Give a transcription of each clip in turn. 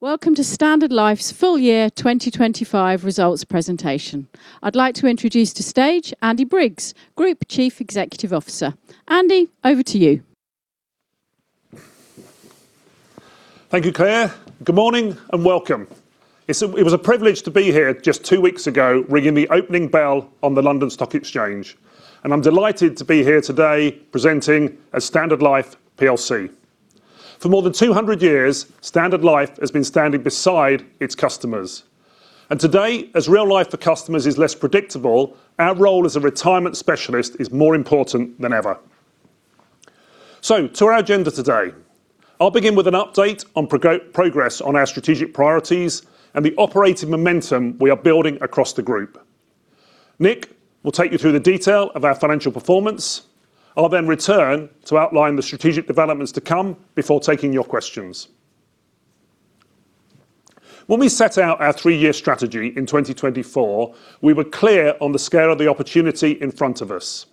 Welcome to Standard Life's full year 2025 results presentation. I'd like to introduce to stage Andy Briggs, Group Chief Executive Officer. Andy, over to you. Thank you, Claire. Good morning and welcome. It was a privilege to be here just two weeks ago, ringing the opening bell on the London Stock Exchange, and I'm delighted to be here today presenting as Standard Life plc. For more than 200 years, Standard Life has been standing beside its customers. Today, as real life for customers is less predictable, our role as a retirement specialist is more important than ever. To our agenda today. I'll begin with an update on progress on our strategic priorities and the operating momentum we are building across the group. Nick will take you through the detail of our financial performance. I'll then return to outline the strategic developments to come before taking your questions. When we set out our three-year strategy in 2024, we were clear on the scale of the opportunity in front of us.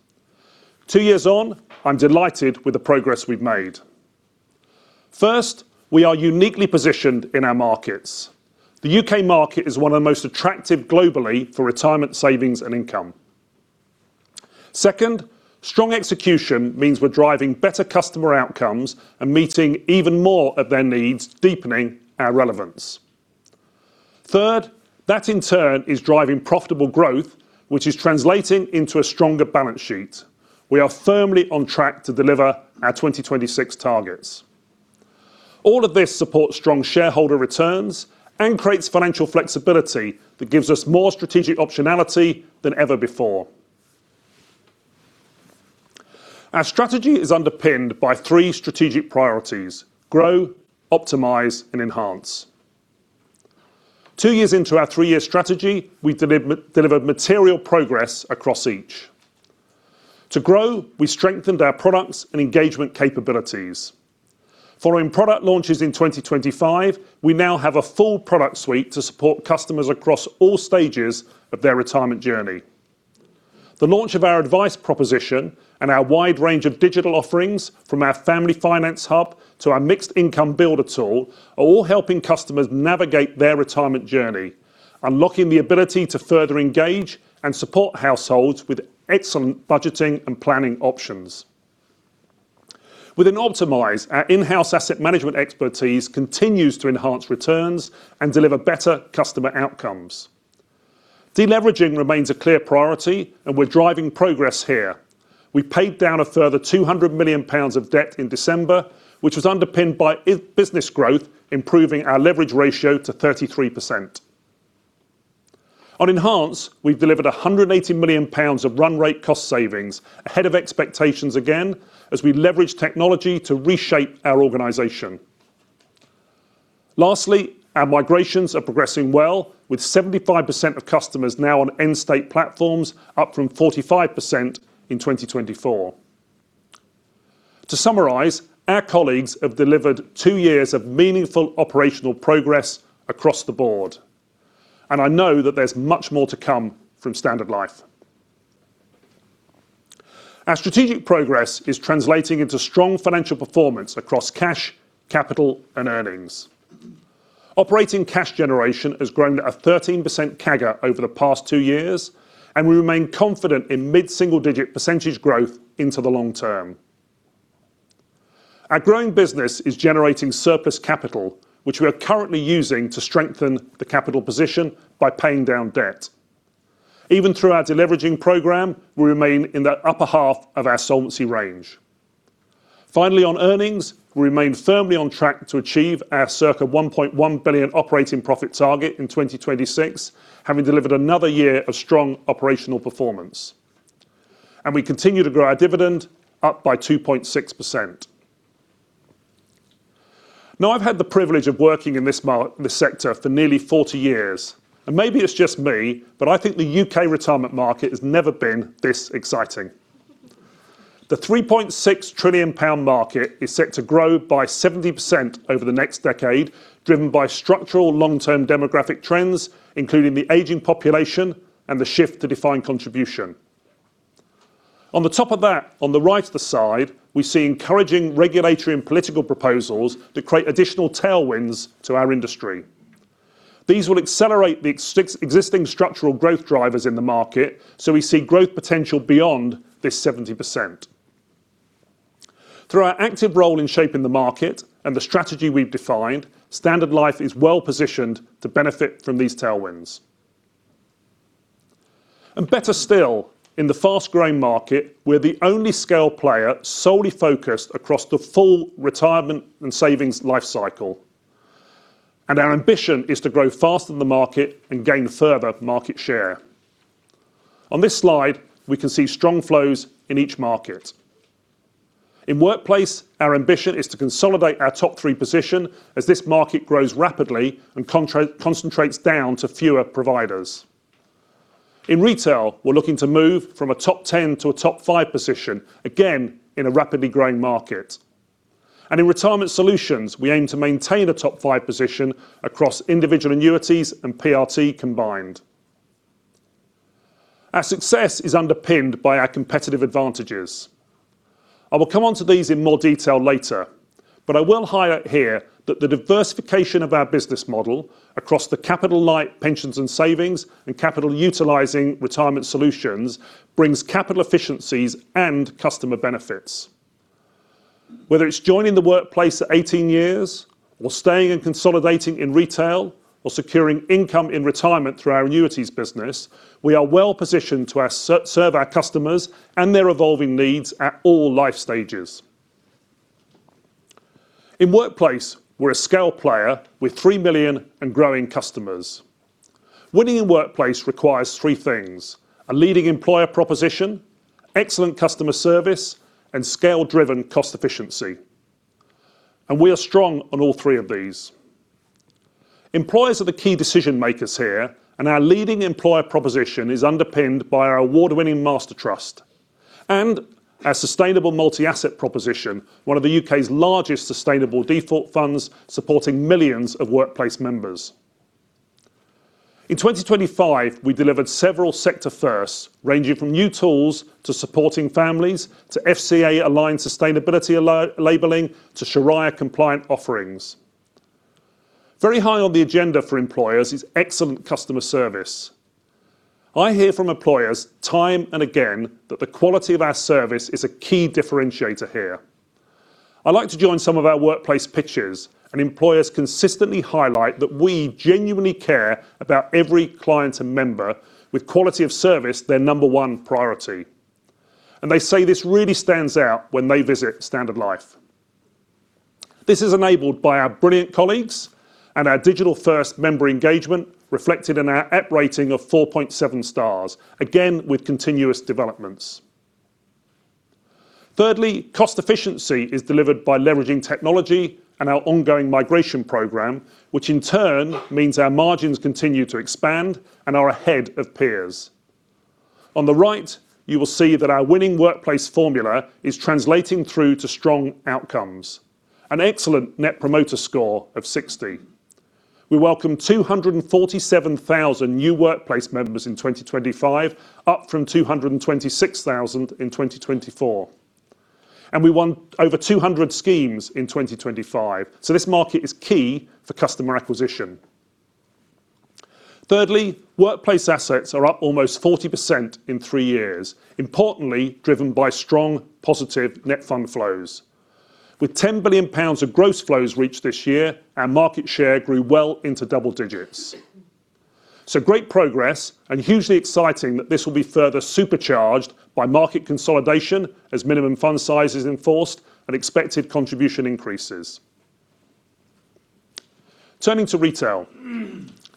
Two years on, I'm delighted with the progress we've made. First, we are uniquely positioned in our markets. The U.K. market is one of the most attractive globally for retirement savings and income. Second, strong execution means we're driving better customer outcomes and meeting even more of their needs, deepening our relevance. Third, that in turn is driving profitable growth, which is translating into a stronger balance sheet. We are firmly on track to deliver our 2026 targets. All of this supports strong shareholder returns and creates financial flexibility that gives us more strategic optionality than ever before. Our strategy is underpinned by three strategic priorities, grow, optimize, and enhance. Two years into our three-year strategy, we delivered material progress across each. To grow, we strengthened our products and engagement capabilities. Following product launches in 2025, we now have a full product suite to support customers across all stages of their retirement journey. The launch of our advice proposition and our wide range of digital offerings, from our Family Finance Hub to our Mixed Income Builder tool, are all helping customers navigate their retirement journey, unlocking the ability to further engage and support households with excellent budgeting and planning options. Within Optimize, our in-house asset management expertise continues to enhance returns and deliver better customer outcomes. Deleveraging remains a clear priority, and we're driving progress here. We paid down a further 200 million pounds of debt in December, which was underpinned by business growth, improving our leverage ratio to 33%. On Enhance, we've delivered a 180 million pounds of run rate cost savings, ahead of expectations again, as we leverage technology to reshape our organization. Lastly, our migrations are progressing well, with 75% of customers now on end-state platforms, up from 45% in 2024. To summarize, our colleagues have delivered two years of meaningful operational progress across the board, and I know that there's much more to come from Standard Life. Our strategic progress is translating into strong financial performance across cash, capital, and earnings. Operating cash generation has grown at a 13% CAGR over the past two years, and we remain confident in mid-single-digit percentage growth into the long term. Our growing business is generating surplus capital, which we are currently using to strengthen the capital position by paying down debt. Even through our deleveraging program, we remain in the upper half of our solvency range. Finally, on earnings, we remain firmly on track to achieve our circa 1.1 billion operating profit target in 2026, having delivered another year of strong operational performance. We continue to grow our dividend up by 2.6%. Now, I've had the privilege of working in this sector for nearly 40 years, and maybe it's just me, but I think the U.K. retirement market has never been this exciting. The 3.6 trillion pound market is set to grow by 70% over the next decade, driven by structural long-term demographic trends, including the aging population and the shift to defined contribution. On top of that, on the regulatory side, we see encouraging regulatory and political proposals that create additional tailwinds to our industry. These will accelerate the existing structural growth drivers in the market, so we see growth potential beyond this 70%. Through our active role in shaping the market and the strategy we've defined, Standard Life is well-positioned to benefit from these tailwinds. Better still, in the fast-growing market, we're the only scale player solely focused across the full retirement and savings life cycle. Our ambition is to grow faster than the market and gain further market share. On this slide, we can see strong flows in each market. In workplace, our ambition is to consolidate our top three position as this market grows rapidly and concentrates down to fewer providers. In retail, we're looking to move from a top 10 to a top 5 position, again in a rapidly growing market. In Retirement Solutions, we aim to maintain a top five position across individual annuities and PRT combined. Our success is underpinned by our competitive advantages. I will come onto these in more detail later, but I will highlight here that the diversification of our business model across the capital-light Pensions and Savings and capital-utilizing Retirement Solutions brings capital efficiencies and customer benefits. Whether it's joining the workplace at 18 years or staying and consolidating in retail or securing income in retirement through our annuities business, we are well-positioned to serve our customers and their evolving needs at all life stages. In workplace, we're a scale player with 3 million and growing customers. Winning in workplace requires three things, a leading employer proposition, excellent customer service, and scale-driven cost efficiency. We are strong on all three of these. Employers are the key decision-makers here, and our leading employer proposition is underpinned by our award-winning master trust and our sustainable multi-asset proposition, one of the U.K.'s largest sustainable default funds, supporting millions of workplace members. In 2025, we delivered several sector firsts ranging from new tools to supporting families to FCA-aligned sustainability labeling to Shariah-compliant offerings. Very high on the agenda for employers is excellent customer service. I hear from employers time and again that the quality of our service is a key differentiator here. I'd like to join some of our workplace pitches, and employers consistently highlight that we genuinely care about every client and member with quality of service their number one priority. They say this really stands out when they visit Standard Life. This is enabled by our brilliant colleagues and our digital-first member engagement reflected in our app rating of 4.7 stars, again with continuous developments. Thirdly, cost efficiency is delivered by leveraging technology and our ongoing migration program, which in turn means our margins continue to expand and are ahead of peers. On the right, you will see that our winning workplace formula is translating through to strong outcomes. An excellent Net Promoter Score of 60. We welcome 247,000 new workplace members in 2025, up from 226,000 in 2024. We won over 200 schemes in 2025, so this market is key for customer acquisition. Thirdly, workplace assets are up almost 40% in three years, importantly driven by strong positive net fund flows. With 10 billion pounds of gross flows reached this year, our market share grew well into double digits. Great progress and hugely exciting that this will be further supercharged by market consolidation as minimum fund size is enforced and expected contribution increases. Turning to retail.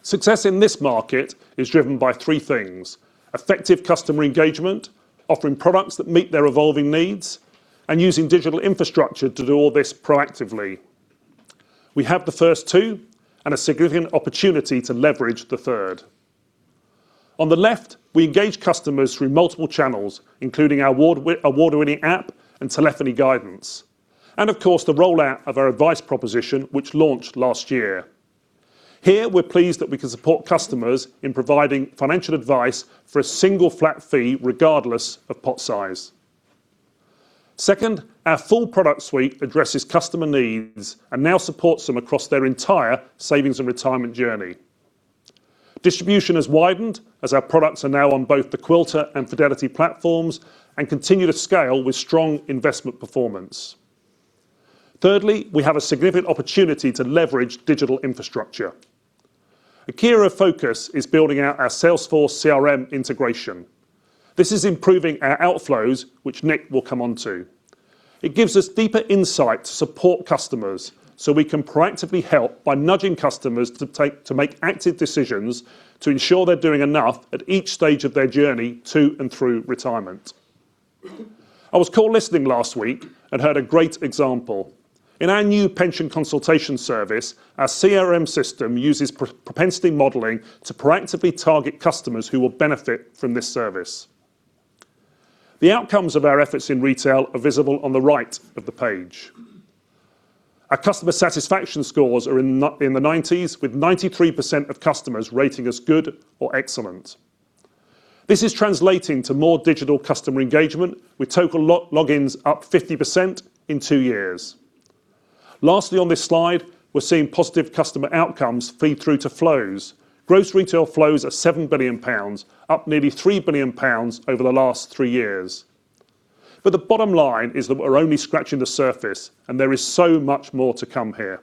Success in this market is driven by three things. Effective customer engagement, offering products that meet their evolving needs, and using digital infrastructure to do all this proactively. We have the first two and a significant opportunity to leverage the third. On the left, we engage customers through multiple channels, including our award-winning app and telephony guidance, and of course, the rollout of our advice proposition, which launched last year. Here, we're pleased that we can support customers in providing financial advice for a single flat fee regardless of pot size. Second, our full product suite addresses customer needs and now supports them across their entire savings and retirement journey. Distribution has widened as our products are now on both the Quilter and Fidelity platforms and continue to scale with strong investment performance. Thirdly, we have a significant opportunity to leverage digital infrastructure. A key area of focus is building out our Salesforce CRM integration. This is improving our outflows, which Nick will come on to. It gives us deeper insight to support customers, so we can proactively help by nudging customers to make active decisions to ensure they're doing enough at each stage of their journey to and through retirement. I was call listening last week and heard a great example. In our new pension consultation service, our CRM system uses propensity modelling to proactively target customers who will benefit from this service. The outcomes of our efforts in retail are visible on the right of the page. Our customer satisfaction scores are in the 90s, with 93% of customers rating as good or excellent. This is translating to more digital customer engagement, with total logins up 50% in two years. Lastly, on this slide, we're seeing positive customer outcomes feed through to flows. Gross retail flows are 7 billion pounds, up nearly 3 billion pounds over the last three years. The bottom line is that we're only scratching the surface, and there is so much more to come here.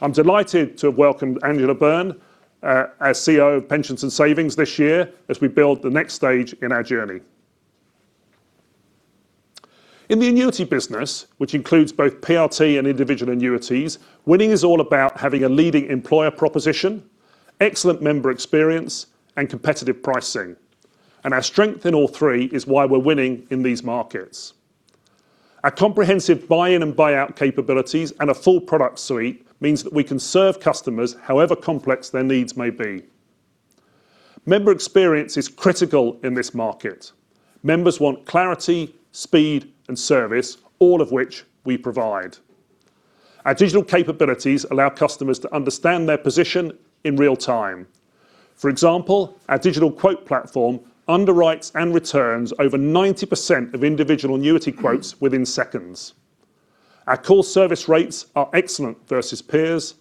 I'm delighted to have welcomed Angela Byrne as CEO of Pensions and Savings this year as we build the next stage in our journey. In the annuity business, which includes both PRT and individual annuities, winning is all about having a leading employer proposition, excellent member experience, and competitive pricing. Our strength in all three is why we're winning in these markets. Our comprehensive buy-in and buy-out capabilities and a full product suite means that we can serve customers however complex their needs may be. Member experience is critical in this market. Members want clarity, speed and service, all of which we provide. Our digital capabilities allow customers to understand their position in real time. For example, our digital quote platform underwrites and returns over 90% of individual annuity quotes within seconds. Our call service rates are excellent versus peers,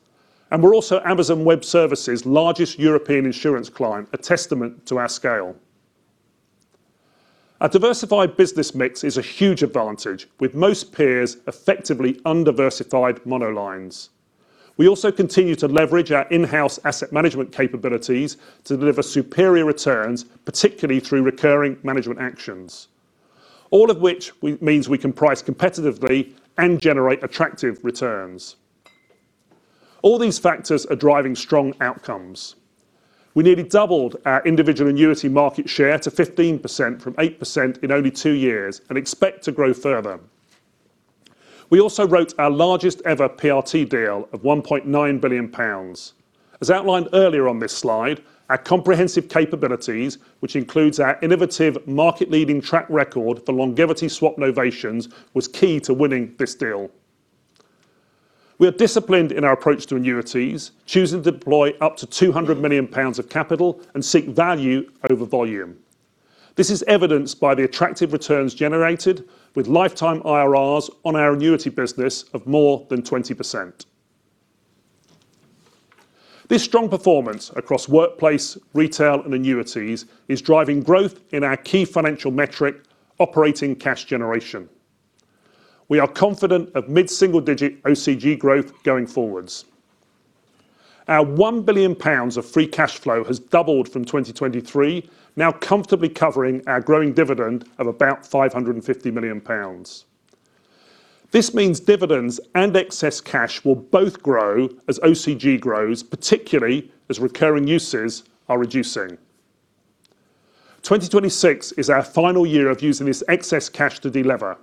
and we're also Amazon Web Services largest European insurance client, a testament to our scale. A diversified business mix is a huge advantage, with most peers effectively undiversified mono lines. We also continue to leverage our in-house asset management capabilities to deliver superior returns, particularly through recurring management actions. All of which means we can price competitively and generate attractive returns. All these factors are driving strong outcomes. We nearly doubled our individual annuity market share to 15% from 8% in only two years and expect to grow further. We also wrote our largest ever PRT deal of 1.9 billion pounds. As outlined earlier on this slide, our comprehensive capabilities, which includes our innovative market-leading track record for longevity swap novations, was key to winning this deal. We are disciplined in our approach to annuities, choosing to deploy up to 200 million pounds of capital and seek value over volume. This is evidenced by the attractive returns generated with lifetime IRRs on our annuity business of more than 20%. This strong performance across workplace, retail, and annuities is driving growth in our key financial metric, operating cash generation. We are confident of mid-single-digit OCG growth going forwards. Our 1 billion pounds of free cash flow has doubled from 2023, now comfortably covering our growing dividend of about 550 million pounds. This means dividends and excess cash will both grow as OCG grows, particularly as recurring uses are reducing. 2026 is our final year of using this excess cash to delever.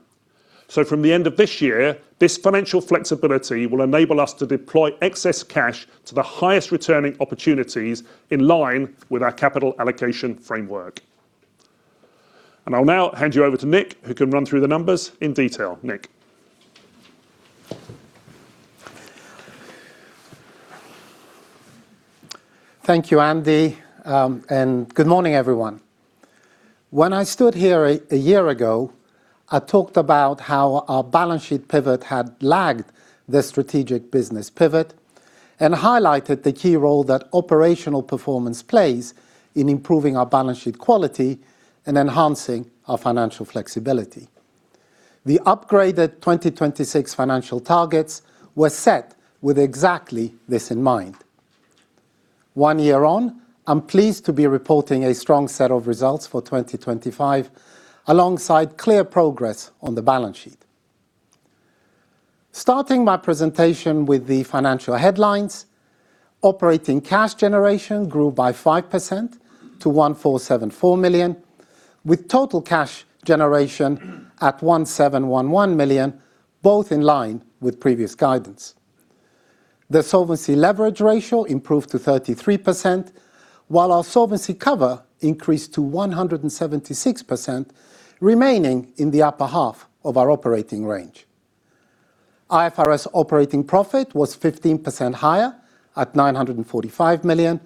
From the end of this year, this financial flexibility will enable us to deploy excess cash to the highest returning opportunities in line with our capital allocation framework. I'll now hand you over to Nick, who can run through the numbers in detail. Nick. Thank you, Andy, and good morning, everyone. When I stood here a year ago, I talked about how our balance sheet pivot had lagged the strategic business pivot and highlighted the key role that operational performance plays in improving our balance sheet quality and enhancing our financial flexibility. The upgraded 2026 financial targets were set with exactly this in mind. One year on, I'm pleased to be reporting a strong set of results for 2025, alongside clear progress on the balance sheet. Starting my presentation with the financial headlines. Operating cash generation grew by 5% to 1,474 million, with total cash generation at 1,711 million, both in line with previous guidance. The solvency leverage ratio improved to 33%, while our solvency cover increased to 176%, remaining in the upper half of our operating range. IFRS operating profit was 15% higher at 945 million,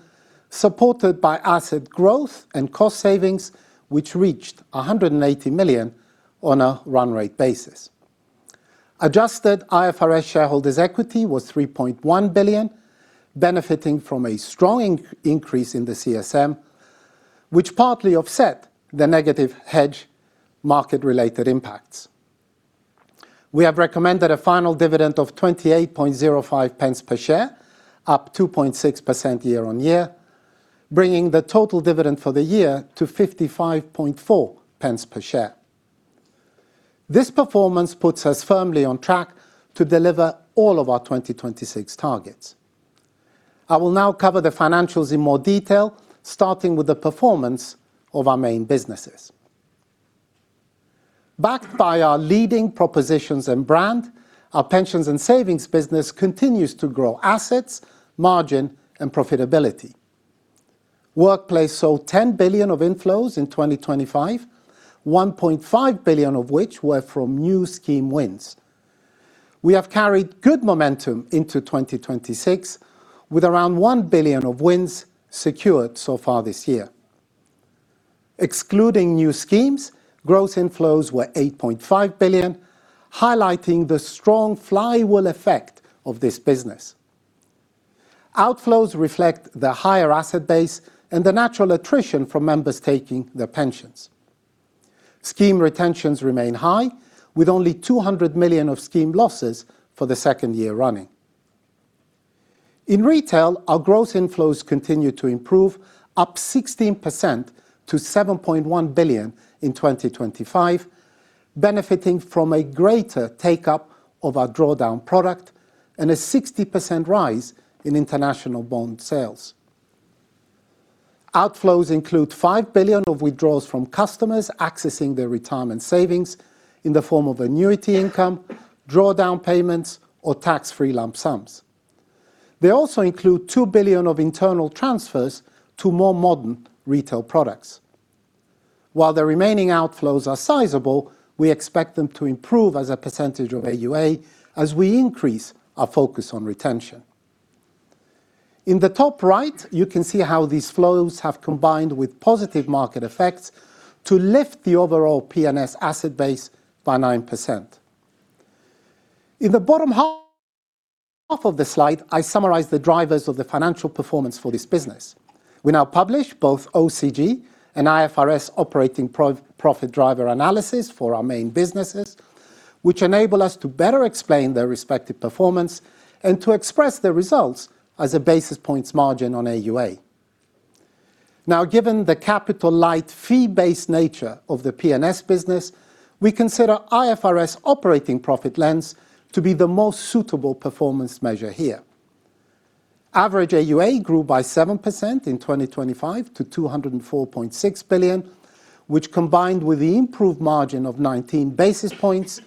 supported by asset growth and cost savings, which reached 180 million on a run-rate basis. Adjusted IFRS shareholders' equity was 3.1 billion, benefiting from a strong increase in the CSM, which partly offset the negative hedge market-related impacts. We have recommended a final dividend of 0.2805 per share, up 2.6% year-on-year, bringing the total dividend for the year to 0.554 per share. This performance puts us firmly on track to deliver all of our 2026 targets. I will now cover the financials in more detail, starting with the performance of our main businesses. Backed by our leading propositions and brand, our Pensions and Savings business continues to grow assets, margin, and profitability. Workplace saw 10 billion of inflows in 2025, 1.5 billion of which were from new scheme wins. We have carried good momentum into 2026, with around 1 billion of wins secured so far this year. Excluding new schemes, gross inflows were 8.5 billion, highlighting the strong flywheel effect of this business. Outflows reflect the higher asset base and the natural attrition from members taking their pensions. Scheme retentions remain high, with only 200 million of scheme losses for the second year running. In retail, our gross inflows continued to improve, up 16% to 7.1 billion in 2025, benefiting from a greater take up of our drawdown product and a 60% rise in International Bond sales. Outflows include 5 billion of withdrawals from customers accessing their retirement savings in the form of annuity income, drawdown payments, or tax-free lump sums. They also include 2 billion of internal transfers to more modern retail products. While the remaining outflows are sizable, we expect them to improve as a percentage of AUA as we increase our focus on retention. In the top right, you can see how these flows have combined with positive market effects to lift the overall P&S asset base by 9%. In the bottom half of the slide, I summarize the drivers of the financial performance for this business. We now publish both OCG and IFRS operating profit driver analysis for our main businesses, which enable us to better explain their respective performance and to express their results as a basis points margin on AUA. Given the capital-light, fee-based nature of the P&S business, we consider IFRS operating profit lens to be the most suitable performance measure here. Average AUA grew by 7% in 2025 to 204.6 billion, which, combined with the improved margin of 19 basis points,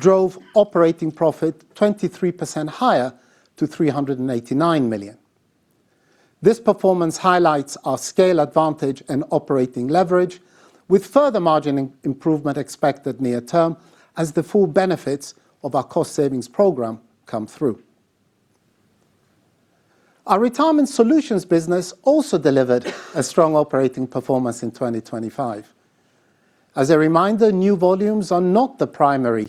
drove operating profit 23% higher to 389 million. This performance highlights our scale advantage and operating leverage with further margin improvement expected near term as the full benefits of our cost savings program come through. Our Retirement Solutions business also delivered a strong operating performance in 2025. As a reminder, new volumes are not the primary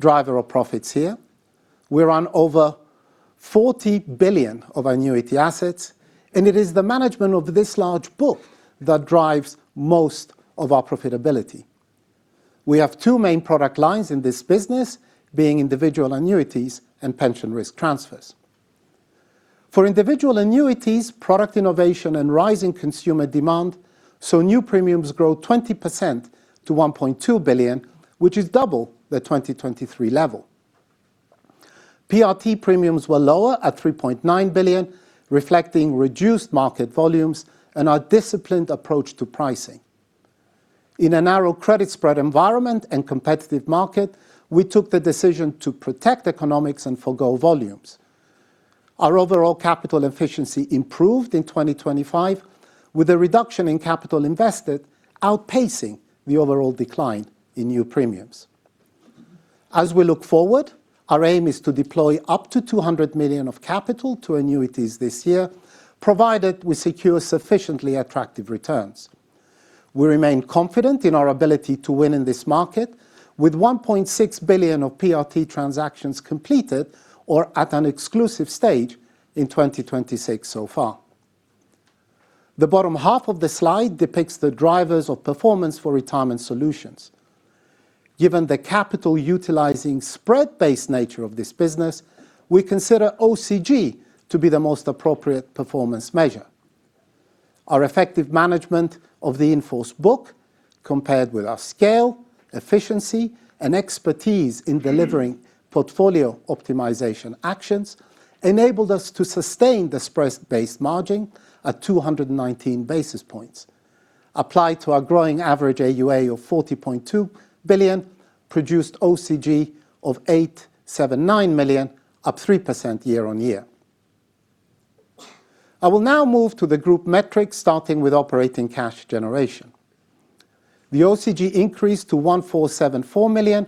driver of profits here. We run over 40 billion of annuity assets, and it is the management of this large book that drives most of our profitability. We have two main product lines in this business, being individual annuities and pension risk transfers. For individual annuities, product innovation and rising consumer demand so new premiums grow 20% to 1.2 billion, which is double the 2023 level. PRT premiums were lower at 3.9 billion, reflecting reduced market volumes and our disciplined approach to pricing. In a narrow credit spread environment and competitive market, we took the decision to protect economics and forgo volumes. Our overall capital efficiency improved in 2025 with a reduction in capital invested outpacing the overall decline in new premiums. As we look forward, our aim is to deploy up to 200 million of capital to annuities this year, provided we secure sufficiently attractive returns. We remain confident in our ability to win in this market with 1.6 billion of PRT transactions completed or at an exclusive stage in 2026 so far. The bottom half of the slide depicts the drivers of performance for Retirement Solutions. Given the capital utilizing spread-based nature of this business, we consider OCG to be the most appropriate performance measure. Our effective management of the in-force book, compared with our scale, efficiency, and expertise in delivering portfolio optimization actions, enabled us to sustain the spread-based margin at 219 basis points. Applied to our growing average AUA of 40.2 billion produced OCG of 879 million, up 3% year-on-year. I will now move to the group metrics starting with operating cash generation. The OCG increase to 1,474 million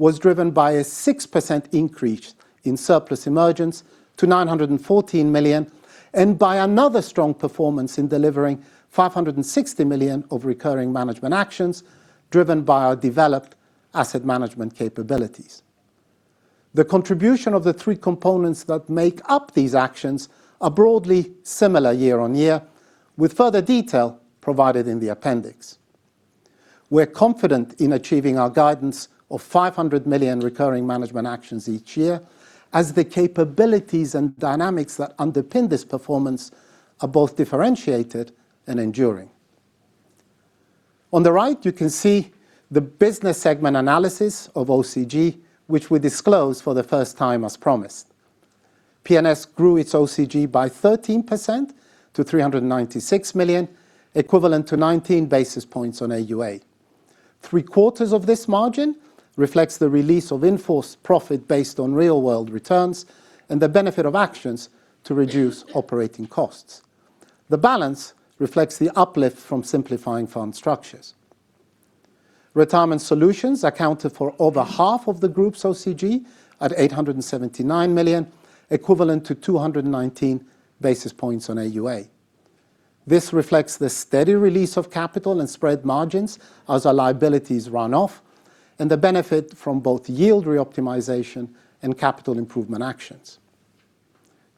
was driven by a 6% increase in surplus emergence to 914 million and by another strong performance in delivering 560 million of recurring management actions driven by our developed asset management capabilities. The contribution of the three components that make up these actions are broadly similar year-on-year, with further detail provided in the appendix. We're confident in achieving our guidance of 500 million recurring management actions each year as the capabilities and dynamics that underpin this performance are both differentiated and enduring. On the right, you can see the business segment analysis of OCG, which we disclose for the first time as promised. P&S grew its OCG by 13% to 396 million, equivalent to 19 basis points on AUA. Three-quarters of this margin reflects the release of in-force profit based on real world returns and the benefit of actions to reduce operating costs. The balance reflects the uplift from simplifying fund structures. Retirement Solutions accounted for over half of the group's OCG at 879 million, equivalent to 219 basis points on AUA. This reflects the steady release of capital and spread margins as our liabilities run off and the benefit from both yield reoptimization and capital improvement actions.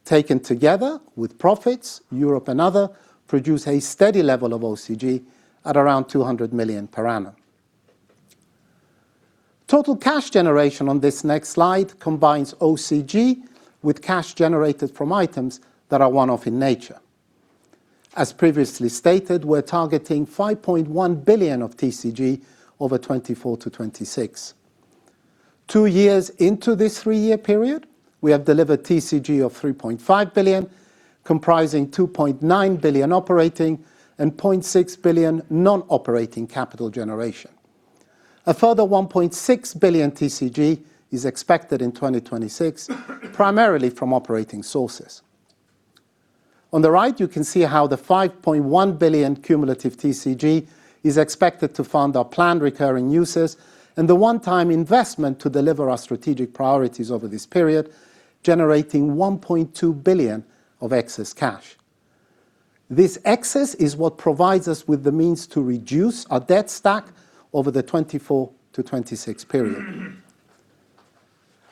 Taken together with profits, Europe and other produce a steady level of OCG at around 200 million per annum. Total cash generation on this next slide combines OCG with cash generated from items that are one-off in nature. As previously stated, we're targeting 5.1 billion of TCG over 2024-2026. Two years into this three-year period, we have delivered TCG of 3.5 billion, comprising 2.9 billion operating and 0.6 billion non-operating capital generation. A further 1.6 billion TCG is expected in 2026, primarily from operating sources. On the right, you can see how the 5.1 billion cumulative TCG is expected to fund our planned recurring uses and the one-time investment to deliver our strategic priorities over this period, generating 1.2 billion of excess cash. This excess is what provides us with the means to reduce our debt stack over the 2024-2026 period.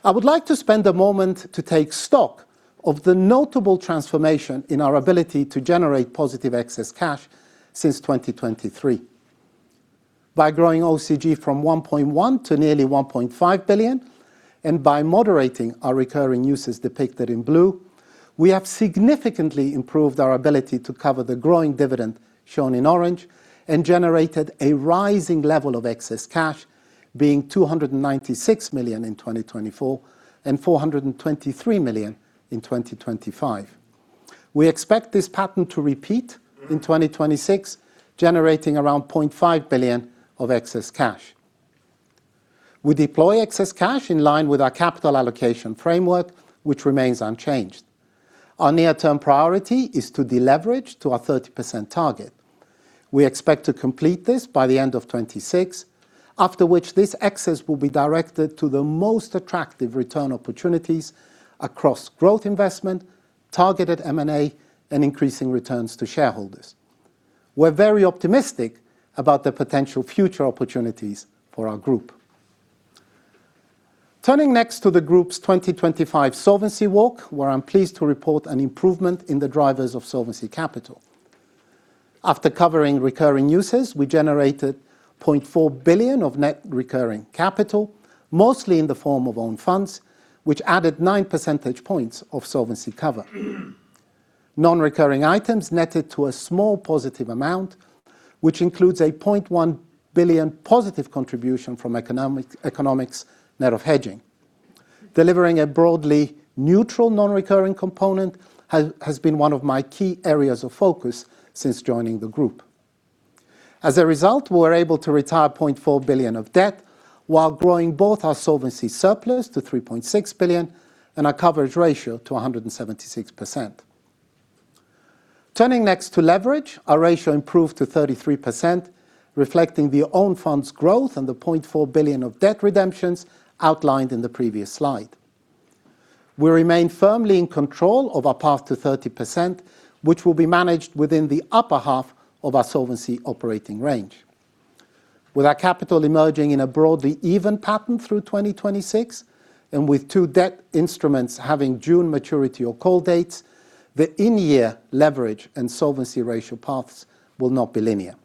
I would like to spend a moment to take stock of the notable transformation in our ability to generate positive excess cash since 2023. By growing OCG from 1.1 billion to nearly 1.5 billion and by moderating our recurring uses depicted in blue, we have significantly improved our ability to cover the growing dividend, shown in orange, and generated a rising level of excess cash being 296 million in 2024 and 423 million in 2025. We expect this pattern to repeat in 2026, generating around 0.5 billion of excess cash. We deploy excess cash in line with our capital allocation framework, which remains unchanged. Our near-term priority is to deleverage to our 30% target. We expect to complete this by the end of 2026, after which this excess will be directed to the most attractive return opportunities across growth investment, targeted M&A, and increasing returns to shareholders. We're very optimistic about the potential future opportunities for our group. Turning next to the group's 2025 solvency walk, where I'm pleased to report an improvement in the drivers of solvency capital. After covering recurring uses, we generated 0.4 billion of net recurring capital, mostly in the form of own funds, which added 9 percentage points of solvency cover. Non-recurring items netted to a small positive amount, which includes a 0.1 billion positive contribution from economics net of hedging. Delivering a broadly neutral non-recurring component has been one of my key areas of focus since joining the group. As a result, we were able to retire 0.4 billion of debt while growing both our solvency surplus to 3.6 billion and our coverage ratio to 176%. Turning next to leverage, our ratio improved to 33%, reflecting the own fund's growth and the 0.4 billion of debt redemptions outlined in the previous slide. We remain firmly in control of our path to 30%, which will be managed within the upper half of our solvency operating range. With our capital emerging in a broadly even pattern through 2026 and with two debt instruments having June maturity or call dates, the in-year leverage and solvency ratio paths will not be linear.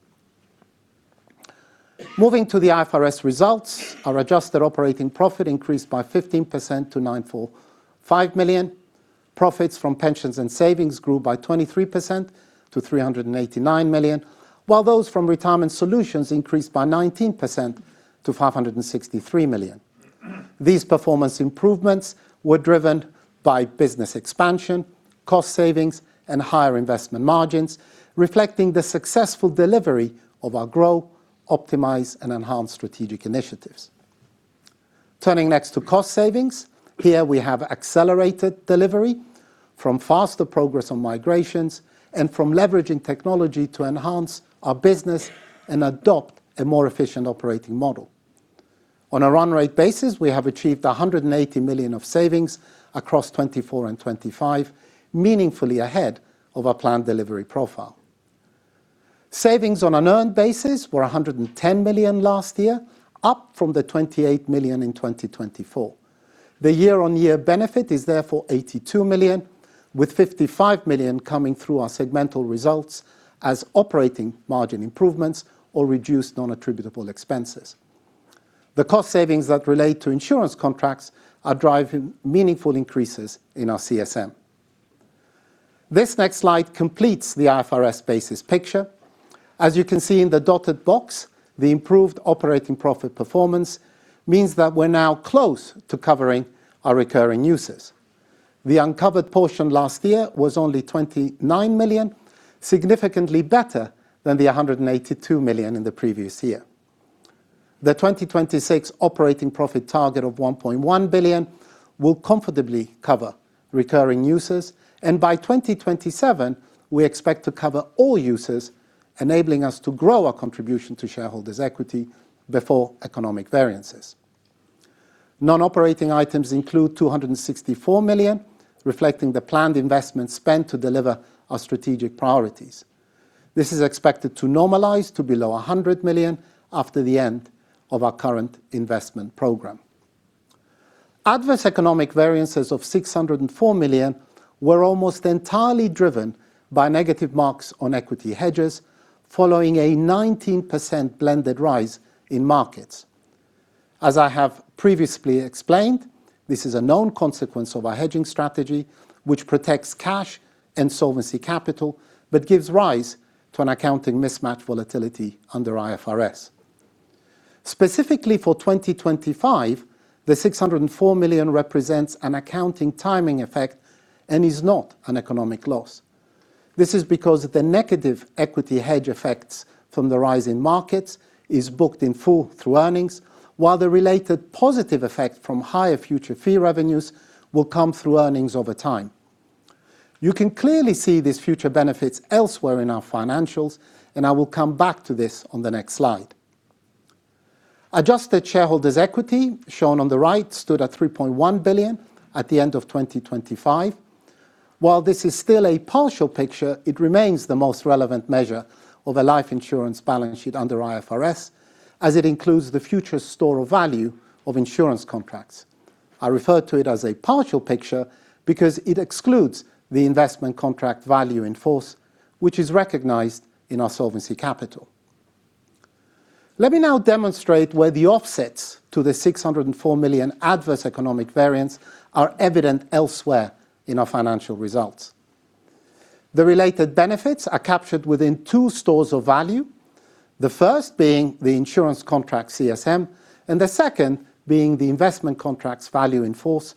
Moving to the IFRS results, our adjusted operating profit increased by 15% to 945 million. Profits from Pensions and Savings grew by 23% to 389 million, while those from Retirement Solutions increased by 19% to 563 million. These performance improvements were driven by business expansion, cost savings, and higher investment margins, reflecting the successful delivery of our grow, optimize, and enhance strategic initiatives. Turning next to cost savings. Here we have accelerated delivery from faster progress on migrations and from leveraging technology to enhance our business and adopt a more efficient operating model. On a run rate basis, we have achieved 180 million of savings across 2024 and 2025, meaningfully ahead of our planned delivery profile. Savings on an earned basis were 110 million last year, up from 28 million in 2024. The year-on-year benefit is therefore 82 million, with 55 million coming through our segmental results as operating margin improvements or reduced non-attributable expenses. The cost savings that relate to insurance contracts are driving meaningful increases in our CSM. This next slide completes the IFRS basis picture. As you can see in the dotted box, the improved operating profit performance means that we're now close to covering our recurring uses. The uncovered portion last year was only 29 million, significantly better than the 182 million in the previous year. The 2026 operating profit target of 1.1 billion will comfortably cover recurring uses, and by 2027, we expect to cover all uses, enabling us to grow our contribution to shareholders' equity before economic variances. Non-operating items include 264 million, reflecting the planned investment spent to deliver our strategic priorities. This is expected to normalize to below 100 million after the end of our current investment program. Adverse economic variances of 604 million were almost entirely driven by negative marks on equity hedges following a 19% blended rise in markets. As I have previously explained, this is a known consequence of our hedging strategy, which protects cash and solvency capital but gives rise to an accounting mismatch volatility under IFRS. Specifically for 2025, the 604 million represents an accounting timing effect and is not an economic loss. This is because the negative equity hedge effects from the rise in markets is booked in full through earnings, while the related positive effect from higher future fee revenues will come through earnings over time. You can clearly see these future benefits elsewhere in our financials, and I will come back to this on the next slide. Adjusted shareholders' equity, shown on the right, stood at 3.1 billion at the end of 2025. While this is still a partial picture, it remains the most relevant measure of a life insurance balance sheet under IFRS, as it includes the future store of value of insurance contracts. I refer to it as a partial picture because it excludes the investment contract value in force, which is recognized in our solvency capital. Let me now demonstrate where the offsets to the 604 million adverse economic variants are evident elsewhere in our financial results. The related benefits are captured within two stores of value, the first being the insurance contract CSM and the second being the investment contracts value in force,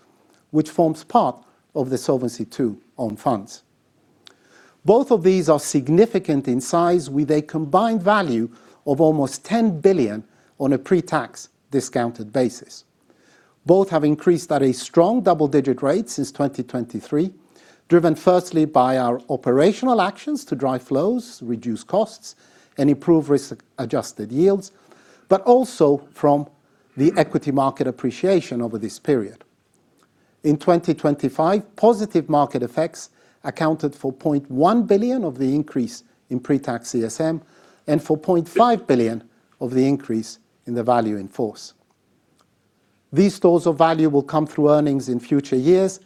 which forms part of the Solvency II own funds. Both of these are significant in size with a combined value of almost 10 billion on a pre-tax discounted basis. Both have increased at a strong double-digit rate since 2023, driven firstly by our operational actions to drive flows, reduce costs and improve risk-adjusted yields, but also from the equity market appreciation over this period. In 2025, positive market effects accounted for 0.1 billion of the increase in pre-tax CSM and for 0.5 billion of the increase in the value in force. These stores of value will come through earnings in future years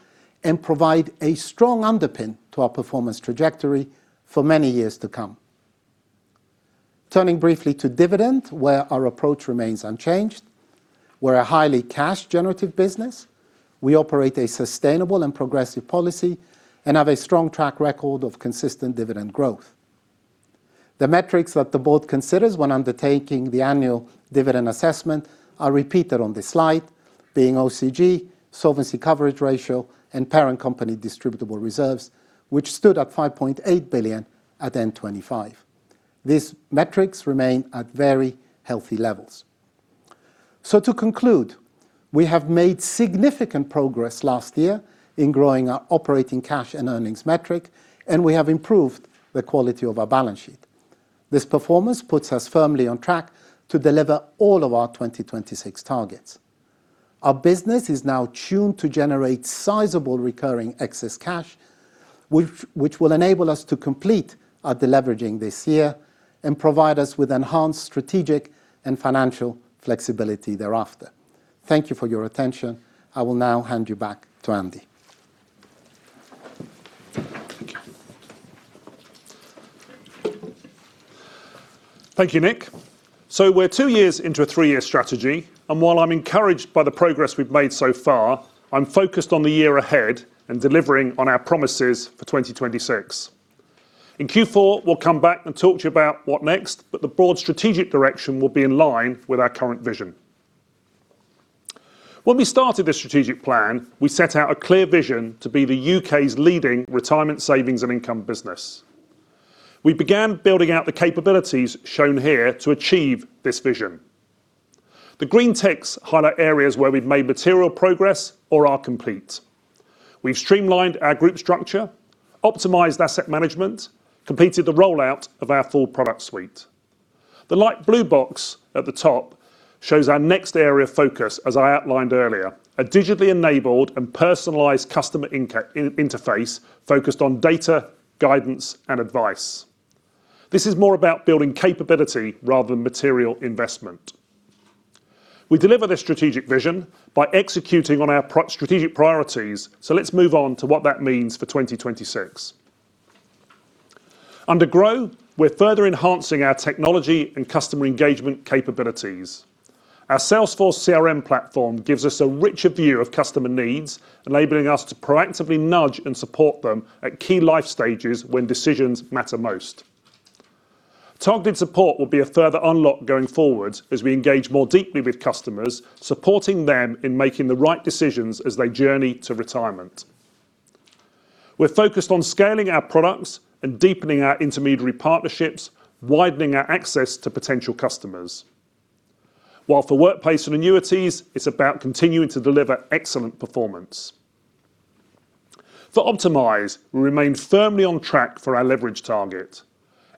and provide a strong underpin to our performance trajectory for many years to come. Turning briefly to dividend, where our approach remains unchanged. We're a highly cash generative business. We operate a sustainable and progressive policy and have a strong track record of consistent dividend growth. The metrics that the board considers when undertaking the annual dividend assessment are repeated on this slide, being OCG, solvency coverage ratio and parent company distributable reserves, which stood at 5.8 billion at end 2025. These metrics remain at very healthy levels. To conclude, we have made significant progress last year in growing our operating cash and earnings metric, and we have improved the quality of our balance sheet. This performance puts us firmly on track to deliver all of our 2026 targets. Our business is now tuned to generate sizable recurring excess cash, which will enable us to complete our deleveraging this year and provide us with enhanced strategic and financial flexibility thereafter. Thank you for your attention. I will now hand you back to Andy. Thank you, Nick. We're two years into a three-year strategy, and while I'm encouraged by the progress we've made so far, I'm focused on the year ahead and delivering on our promises for 2026. In Q4, we'll come back and talk to you about what next, but the broad strategic direction will be in line with our current vision. When we started this strategic plan, we set out a clear vision to be the U.K.'s leading retirement savings and income business. We began building out the capabilities shown here to achieve this vision. The green ticks highlight areas where we've made material progress or are complete. We've streamlined our group structure, optimized asset management, completed the rollout of our full product suite. The light blue box at the top shows our next area of focus, as I outlined earlier, a digitally enabled and personalized customer interface focused on data, guidance, and advice. This is more about building capability rather than material investment. We deliver this strategic vision by executing on our strategic priorities, so let's move on to what that means for 2026. Under Grow, we're further enhancing our technology and customer engagement capabilities. Our Salesforce CRM platform gives us a richer view of customer needs, enabling us to proactively nudge and support them at key life stages when decisions matter most. Targeted support will be a further unlock going forward as we engage more deeply with customers, supporting them in making the right decisions as they journey to retirement. We're focused on scaling our products and deepening our intermediary partnerships, widening our access to potential customers. While for workplace and annuities, it's about continuing to deliver excellent performance. For Optimize, we remain firmly on track for our leverage target,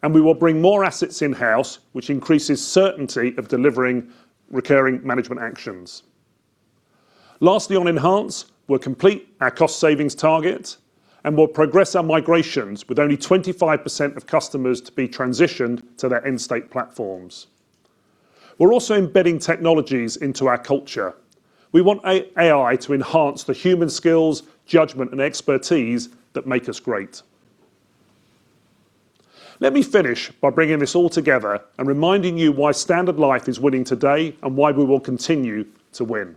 and we will bring more assets in-house, which increases certainty of delivering recurring management actions. Lastly, on Enhance, we've completed our cost savings target, and we'll progress our migrations with only 25% of customers to be transitioned to their end-state platforms. We're also embedding technologies into our culture. We want AI to enhance the human skills, judgment, and expertise that make us great. Let me finish by bringing this all together and reminding you why Standard Life is winning today and why we will continue to win.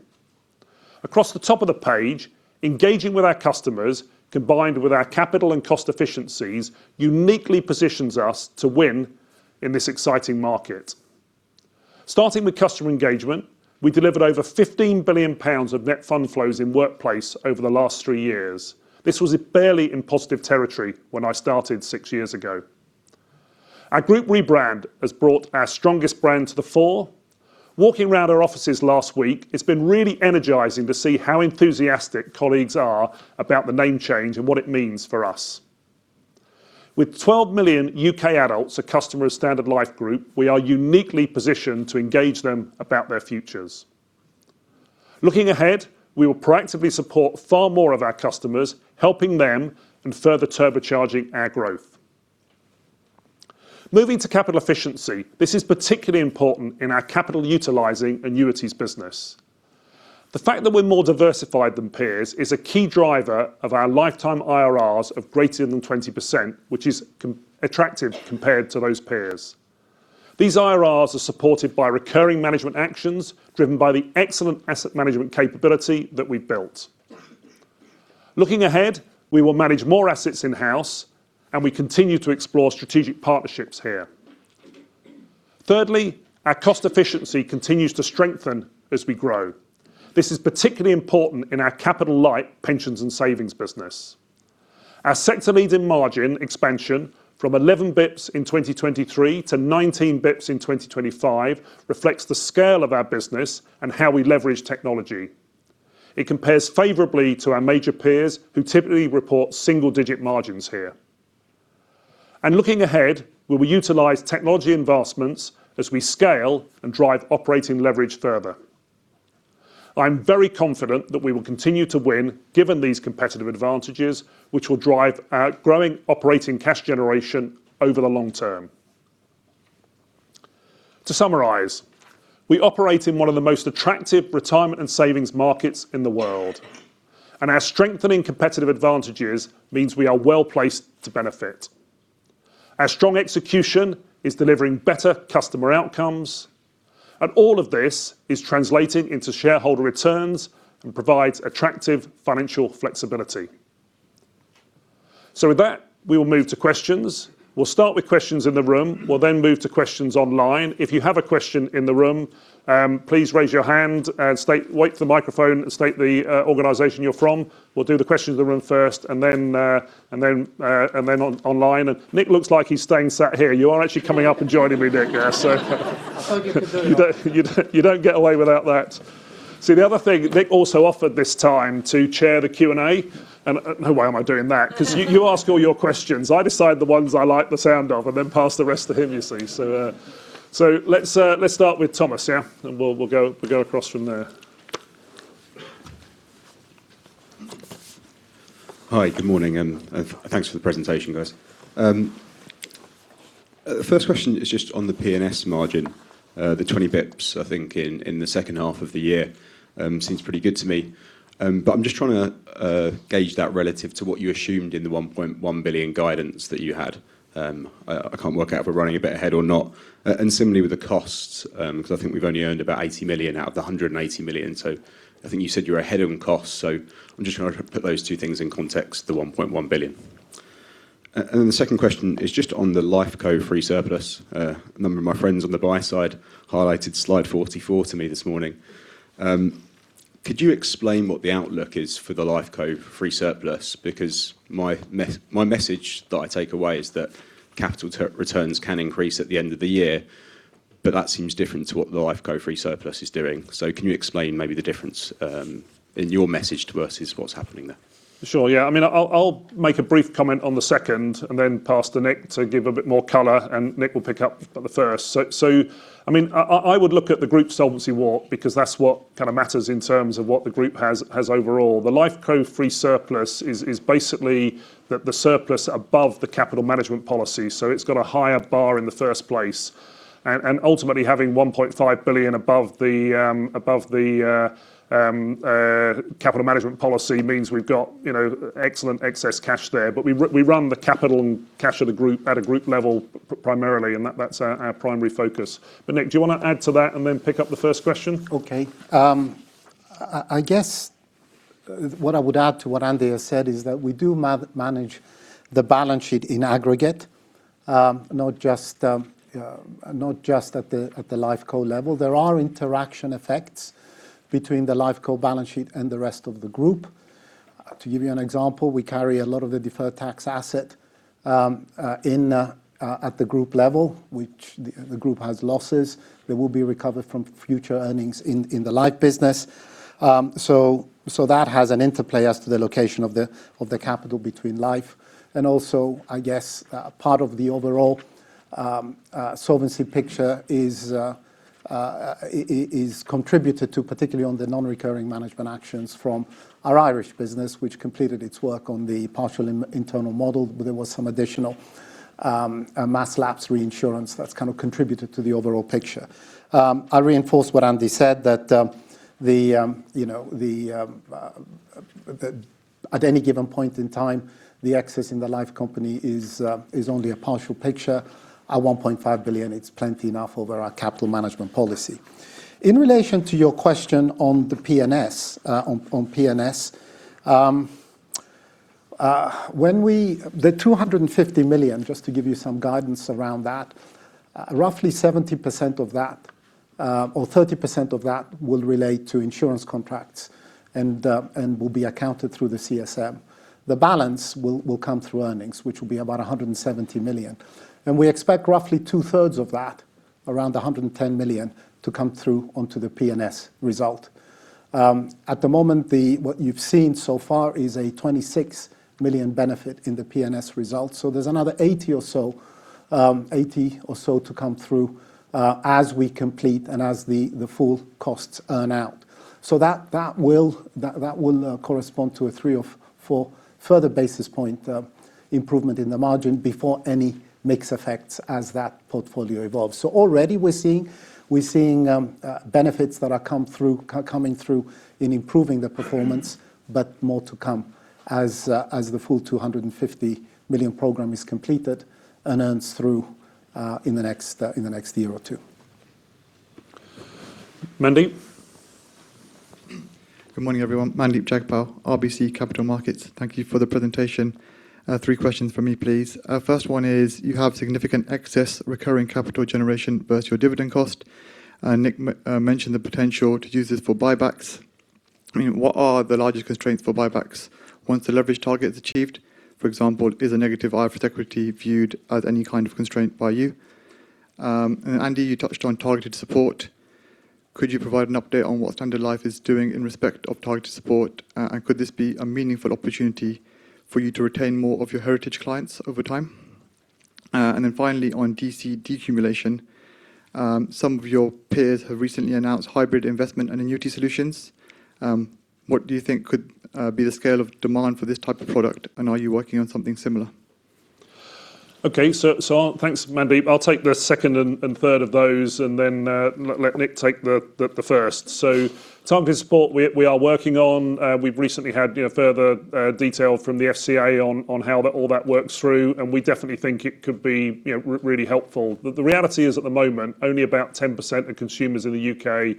Across the top of the page, engaging with our customers, combined with our capital and cost efficiencies, uniquely positions us to win in this exciting market. Starting with customer engagement, we delivered over 15 billion pounds of net fund flows in Workplace over the last three years. This was barely in positive territory when I started six years ago. Our group rebrand has brought our strongest brand to the fore. Walking around our offices last week, it's been really energizing to see how enthusiastic colleagues are about the name change and what it means for us. With 12 million U.K. adults a customer of Standard Life Group, we are uniquely positioned to engage them about their futures. Looking ahead, we will proactively support far more of our customers, helping them and further turbocharging our growth. Moving to capital efficiency. This is particularly important in our capital utilizing annuities business. The fact that we're more diversified than peers is a key driver of our lifetime IRRs of greater than 20%, which is attractive compared to those peers. These IRRs are supported by recurring management actions driven by the excellent asset management capability that we built. Looking ahead, we will manage more assets in-house, and we continue to explore strategic partnerships here. Thirdly, our cost efficiency continues to strengthen as we grow. This is particularly important in our capital light Pensions and Savings business. Our sector lead in margin expansion from 11 basis points in 2023 to 19 basis points in 2025 reflects the scale of our business and how we leverage technology. It compares favorably to our major peers who typically report single-digit margins here. Looking ahead, we will utilize technology investments as we scale and drive operating leverage further. I'm very confident that we will continue to win, given these competitive advantages, which will drive our growing operating cash generation over the long term. To summarize, we operate in one of the most attractive retirement and savings markets in the world. Our strengthening competitive advantages means we are well-placed to benefit. Our strong execution is delivering better customer outcomes, and all of this is translating into shareholder returns and provides attractive financial flexibility. With that, we will move to questions. We'll start with questions in the room, we'll then move to questions online. If you have a question in the room, please raise your hand and wait for the microphone, state the organization you're from. We'll do the questions in the room first and then online. Nick looks like he's staying sat here. You are actually coming up and joining me, Nick, here. I thought you could do it on your own. You don't get away without that. See, the other thing, Nick also offered this time to chair the Q&A. No way am I doing that because you ask all your questions. I decide the ones I like the sound of and then pass the rest to him, you see. Let's start with Thomas, yeah? We'll go across from there. Hi, good morning, and thanks for the presentation, guys. First question is just on the P&S margin, the 20 basis points, I think, in the second half of the year, seems pretty good to me. I'm just trying to gauge that relative to what you assumed in the 1.1 billion guidance that you had. I can't work out if we're running a bit ahead or not. Similarly with the costs, 'cause I think we've only earned about 80 million out of the 180 million. I think you said you were ahead on costs. I'm just trying to put those two things in context to the 1.1 billion. The second question is just on the life co free surplus. A number of my friends on the buy side highlighted slide 44 to me this morning. Could you explain what the outlook is for the life co free surplus? Because my message that I take away is that capital returns can increase at the end of the year, but that seems different to what the life co free surplus is doing. Can you explain maybe the difference in your message to us is what's happening there? Sure, yeah. I mean, I'll make a brief comment on the second and then pass to Nick to give a bit more color, and Nick will pick up the first. I mean, I would look at the group solvency ratio because that's what kinda matters in terms of what the group has overall. The life co free surplus is basically the surplus above the capital management policy, so it's got a higher bar in the first place. Ultimately, having 1.5 billion above the capital management policy means we've got, you know, excellent excess cash there. But we run the capital and cash of the group at a group level primarily, and that's our primary focus. But Nick, do you wanna add to that and then pick up the first question? I guess what I would add to what Andy has said is that we do manage the balance sheet in aggregate, not just at the lifeco level. There are interaction effects between the lifeco balance sheet and the rest of the group. To give you an example, we carry a lot of the deferred tax asset at the group level, which the group has losses that will be recovered from future earnings in the life business. That has an interplay as to the location of the capital between life. I guess part of the overall solvency picture is contributed to, particularly on the non-recurring management actions from our Irish business, which completed its work on the partial internal model, but there was some additional mass lapse reinsurance that's kind of contributed to the overall picture. I reinforce what Andy said that at any given point in time, the excess in the life company is only a partial picture. At 1.5 billion, it's plenty enough over our capital management policy. In relation to your question on the P&S, on P&S. The 250 million, just to give you some guidance around that. Roughly 70% of that, or 30% of that will relate to insurance contracts and will be accounted through the CSM. The balance will come through earnings, which will be about 170 million. We expect roughly two-thirds of that, around 110 million, to come through onto the P&S result. At the moment, what you've seen so far is a 26 million benefit in the P&S results. There's another 80 million. Or so to come through, as we complete and as the full costs earn out. That will correspond to a 3 or 4 further basis points improvement in the margin before any mix effects as that portfolio evolves. Already we're seeing benefits that are coming through in improving the performance, but more to come as the full 250 million program is completed and earns through in the next year or two. Mandeep. Good morning, everyone. Mandeep Jagpal, RBC Capital Markets. Thank you for the presentation. Three questions from me, please. First one is, you have significant excess recurring capital generation versus your dividend cost. Nick mentioned the potential to use this for buybacks. I mean, what are the largest constraints for buybacks once the leverage target is achieved? For example, is a negative IR for equity viewed as any kind of constraint by you? Andy, you touched on targeted support. Could you provide an update on what Standard Life is doing in respect of targeted support, and could this be a meaningful opportunity for you to retain more of your heritage clients over time? Finally on DC decumulation, some of your peers have recently announced hybrid investment and annuity solutions. What do you think could be the scale of demand for this type of product, and are you working on something similar? Thanks, Mandeep. I'll take the second and third of those and then let Nick take the first. Targeted support, we are working on. We've recently had you know further detail from the FCA on how that all works through, and we definitely think it could be you know really helpful. The reality is at the moment, only about 10% of consumers in the U.K. are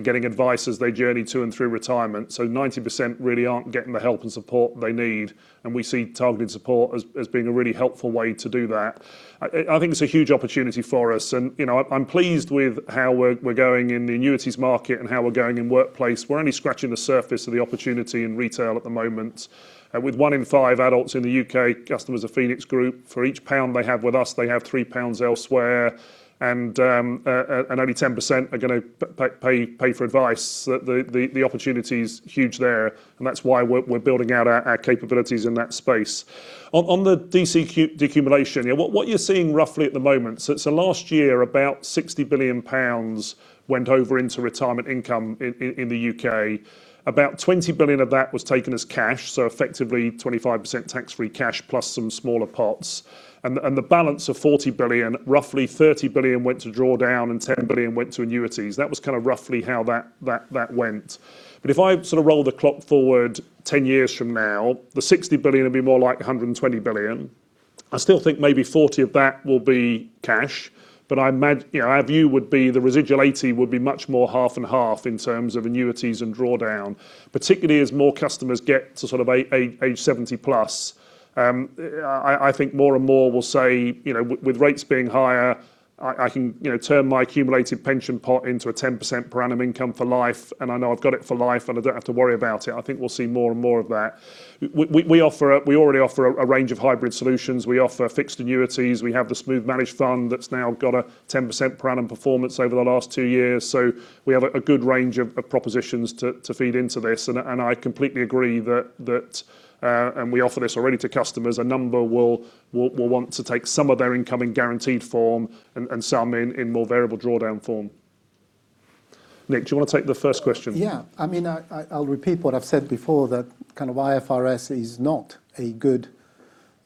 getting advice as they journey to and through retirement. 90% really aren't getting the help and support they need, and we see targeted support as being a really helpful way to do that. I think it's a huge opportunity for us. You know, I'm pleased with how we're going in the annuities market and how we're going in workplace. We're only scratching the surface of the opportunity in retail at the moment. With one in five adults in the U.K. customers of Phoenix Group, for each pound they have with us, they have three pounds elsewhere. Only 10% are gonna pay for advice. The opportunity is huge there, and that's why we're building out our capabilities in that space. On the DC decumulation, you know, what you're seeing roughly at the moment. Last year, about 60 billion pounds went over into retirement income in the U.K. About 20 billion of that was taken as cash, so effectively 25% tax-free cash plus some smaller pots. The balance of 40 billion, roughly 30 billion went to drawdown and 10 billion went to annuities. That was kind of roughly how that went. If I sort of roll the clock forward 10 years from now, the 60 billion will be more like 120 billion. I still think maybe 40 billion of that will be cash, but you know, our view would be the residual 80 billion would be much more half and half in terms of annuities and draw down, particularly as more customers get to sort of age 70+ years. I think more and more will say, you know, with rates being higher, I can, you know, turn my accumulated pension pot into a 10% per annum income for life, and I know I've got it for life, and I don't have to worry about it. I think we'll see more and more of that. We already offer a range of hybrid solutions. We offer fixed annuities. We have the Smoothed Managed Fund that's now got a 10% per annum performance over the last two years. We have a good range of propositions to feed into this. I completely agree that we offer this already to customers, a number will want to take some of their income in guaranteed form and some in more variable drawdown form. Nick, do you wanna take the first question? Yeah. I mean, I'll repeat what I've said before, that kind of IFRS is not a good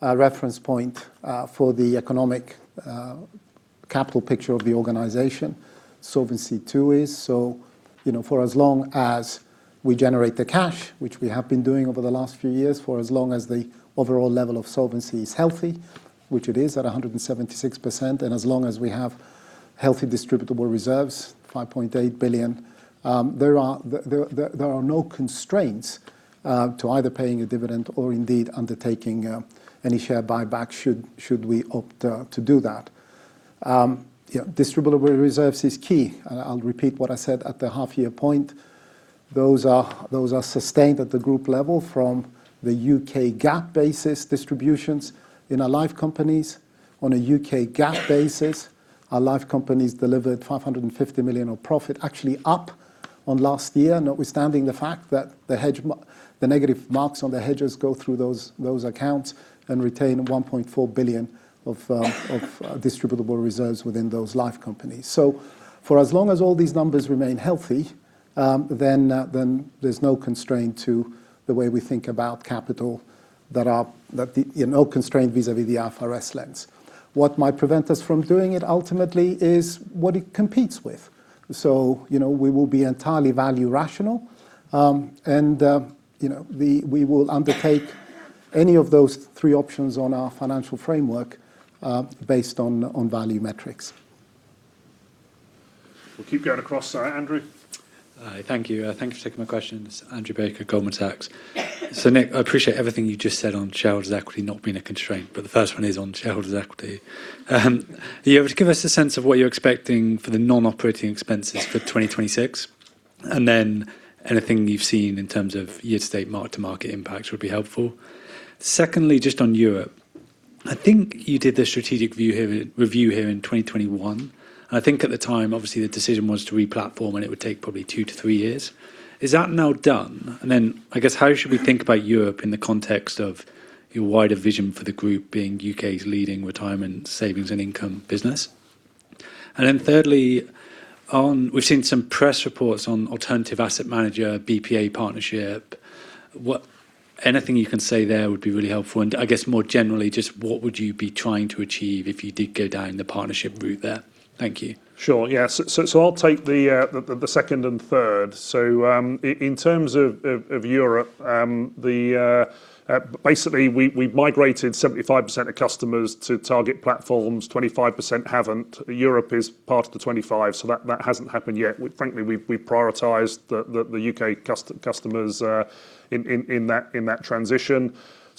reference point for the economic capital picture of the organization. Solvency II is. You know, for as long as we generate the cash, which we have been doing over the last few years, for as long as the overall level of solvency is healthy, which it is at 176%, and as long as we have healthy distributable reserves, 5.8 billion, there are no constraints to either paying a dividend or indeed undertaking any share buyback should we opt to do that. Yeah, distributable reserves is key. I'll repeat what I said at the half year point. Those are sustained at the group level from the U.K. GAAP basis distributions. In our life companies on a U.K. GAAP basis, our life companies delivered 550 million of profit, actually up on last year, notwithstanding the fact that the negative marks on the hedges go through those accounts and retain 1.4 billion of distributable reserves within those life companies. For as long as all these numbers remain healthy, then there's no constraint to the way we think about capital that the, you know, constraint vis-à-vis the IFRS lens. What might prevent us from doing it ultimately is what it competes with. You know, we will be entirely value rational, and you know, we will undertake any of those three options on our financial framework, based on value metrics. We'll keep going across. Andrew. Hi. Thank you. Thank you for taking my questions. Andrew Baker, Goldman Sachs Group, Inc. Nick, I appreciate everything you just said on shareholders' equity not being a constraint, but the first one is on shareholders' equity. Are you able to give us a sense of what you're expecting for the non-operating expenses for 2026? And then anything you've seen in terms of year-to-date mark-to-market impacts would be helpful. Secondly, just on Europe. I think you did the strategic review here in 2021. I think at the time, obviously, the decision was to re-platform, and it would take probably two to three years. Is that now done? And then I guess, how should we think about Europe in the context of your wider vision for the group being U.K.'s leading retirement savings and income business? Thirdly, we've seen some press reports on alternative asset manager, BPA partnership. Anything you can say there would be really helpful and I guess more generally, just what would you be trying to achieve if you did go down the partnership route there? Thank you. Sure. Yeah. I'll take the second and third. In terms of Europe, basically we migrated 75% of customers to target platforms, 25% haven't. Europe is part of the 25%, so that hasn't happened yet. Frankly, we've prioritized the U.K. customers in that transition.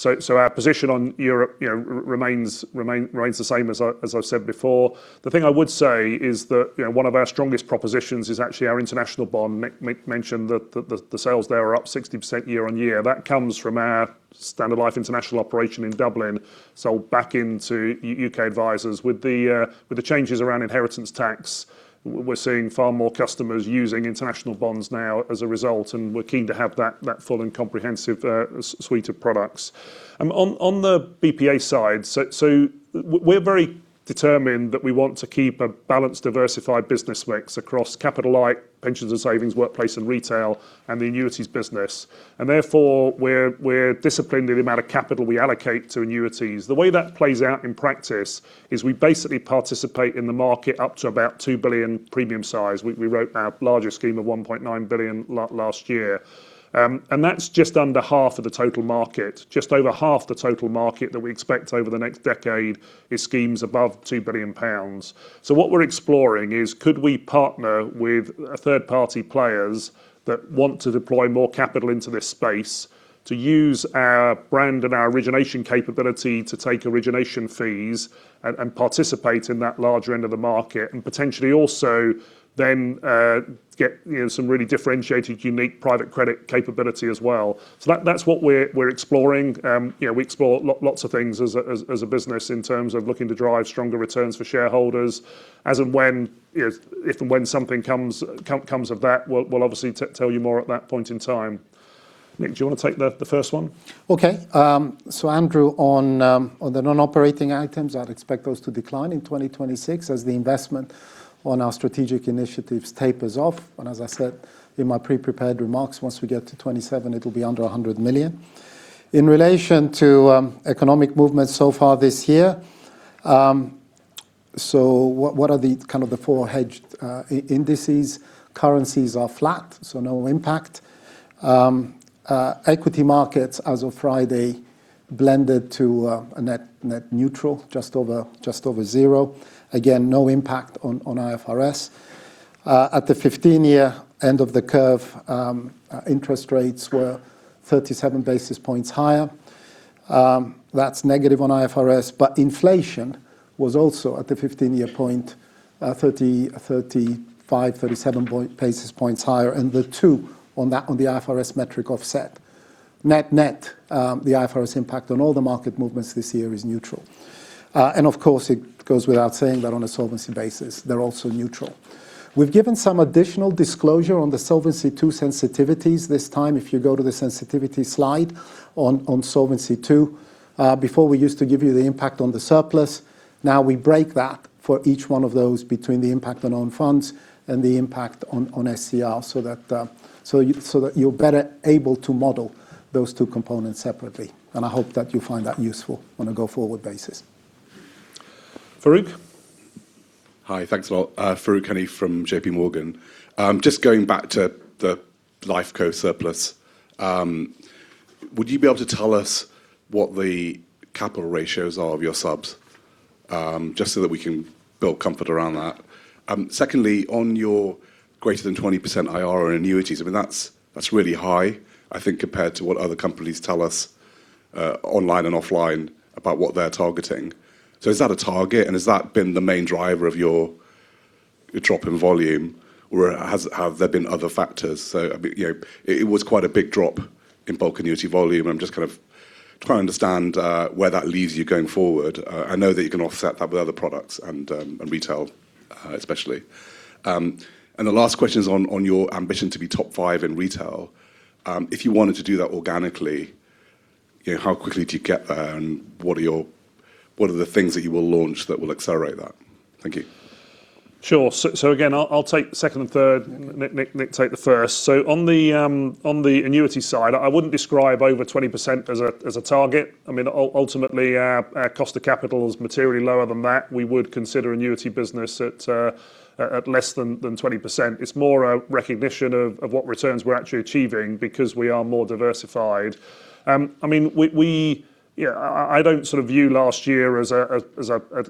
Our position on Europe, you know, remains the same as I've said before. The thing I would say is that, you know, one of our strongest propositions is actually our International Bond. Nick mentioned the sales there are up 60% year on year. That comes from our Standard Life International operation in Dublin, sold back into U.K. advisors. With the changes around inheritance tax, we're seeing far more customers using international bonds now as a result, and we're keen to have that full and comprehensive suite of products. On the BPA side, we're very determined that we want to keep a balanced, diversified business mix across capital like Pensions and Savings, workplace and retail, and the annuities business. Therefore, we're disciplined in the amount of capital we allocate to annuities. The way that plays out in practice is we basically participate in the market up to about 2 billion premium size. We wrote our larger scheme of 1.9 billion last year. That's just under half of the total market. Just over half the total market that we expect over the next decade is schemes above 2 billion pounds. What we're exploring is could we partner with third-party players that want to deploy more capital into this space to use our brand and our origination capability to take origination fees and participate in that larger end of the market, and potentially also get you know some really differentiated unique private credit capability as well. That's what we're exploring. You know, we explore lots of things as a business in terms of looking to drive stronger returns for shareholders. As of when if and when something comes of that, we'll obviously tell you more at that point in time. Nick, do you wanna take the first one? Okay. Andrew, on the non-operating items, I'd expect those to decline in 2026 as the investment on our strategic initiatives tapers off. As I said in my pre-prepared remarks, once we get to 2027, it'll be under 100 million. In relation to economic movements so far this year, what are the four hedged indices? Currencies are flat, so no impact. Equity markets as of Friday blended to a net neutral, just over zero. Again, no impact on IFRS. At the 15-year end of the curve, interest rates were 37 basis points higher. That's negative on IFRS. Inflation was also at the 15-year point, 37 basis points higher, and the two on that, on the IFRS metric offset. Net-net, the IFRS impact on all the market movements this year is neutral. Of course, it goes without saying that on a solvency basis, they're also neutral. We've given some additional disclosure on the Solvency II sensitivities this time, if you go to the sensitivity slide on Solvency II. Before we used to give you the impact on the surplus. Now we break that for each one of those between the impact on own funds and the impact on SCR so that you're better able to model those two components separately. I hope that you find that useful on a go-forward basis. Farooq. Hi. Thanks a lot. Farooq Hanif from JPMorgan. Just going back to the lifeco surplus. Would you be able to tell us what the capital ratios are of your subs, just so that we can build comfort around that? Secondly, on your greater than 20% IRR annuities, I mean, that's really high, I think, compared to what other companies tell us, online and offline about what they're targeting. Is that a target, and has that been the main driver of your drop in volume, or have there been other factors? You know, it was quite a big drop in bulk annuity volume. I'm just kind of trying to understand where that leaves you going forward. I know that you can offset that with other products and retail, especially. The last question is on your ambition to be top five in retail. If you wanted to do that organically, you know, how quickly do you get there, and what are the things that you will launch that will accelerate that? Thank you. Sure. Again, I'll take second and third. Nick take the first. On the annuity side, I wouldn't describe over 20% as a target. I mean, ultimately our cost of capital is materially lower than that. We would consider annuity business at less than 20%. It's more a recognition of what returns we're actually achieving because we are more diversified. I mean, yeah, I don't sort of view last year as a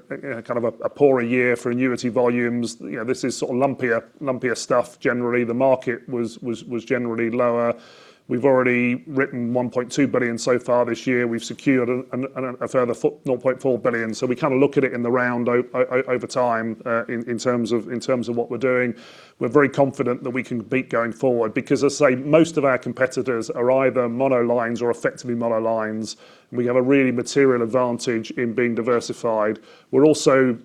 kind of a poorer year for annuity volumes. You know, this is sort of lumpier stuff generally. The market was generally lower. We've already written 1.2 billion so far this year. We've secured a further 0.4 billion. We kind of look at it in the round over time, in terms of what we're doing. We're very confident that we can beat going forward because as I say, most of our competitors are either mono lines or effectively mono lines, and we have a really material advantage in being diversified. We're also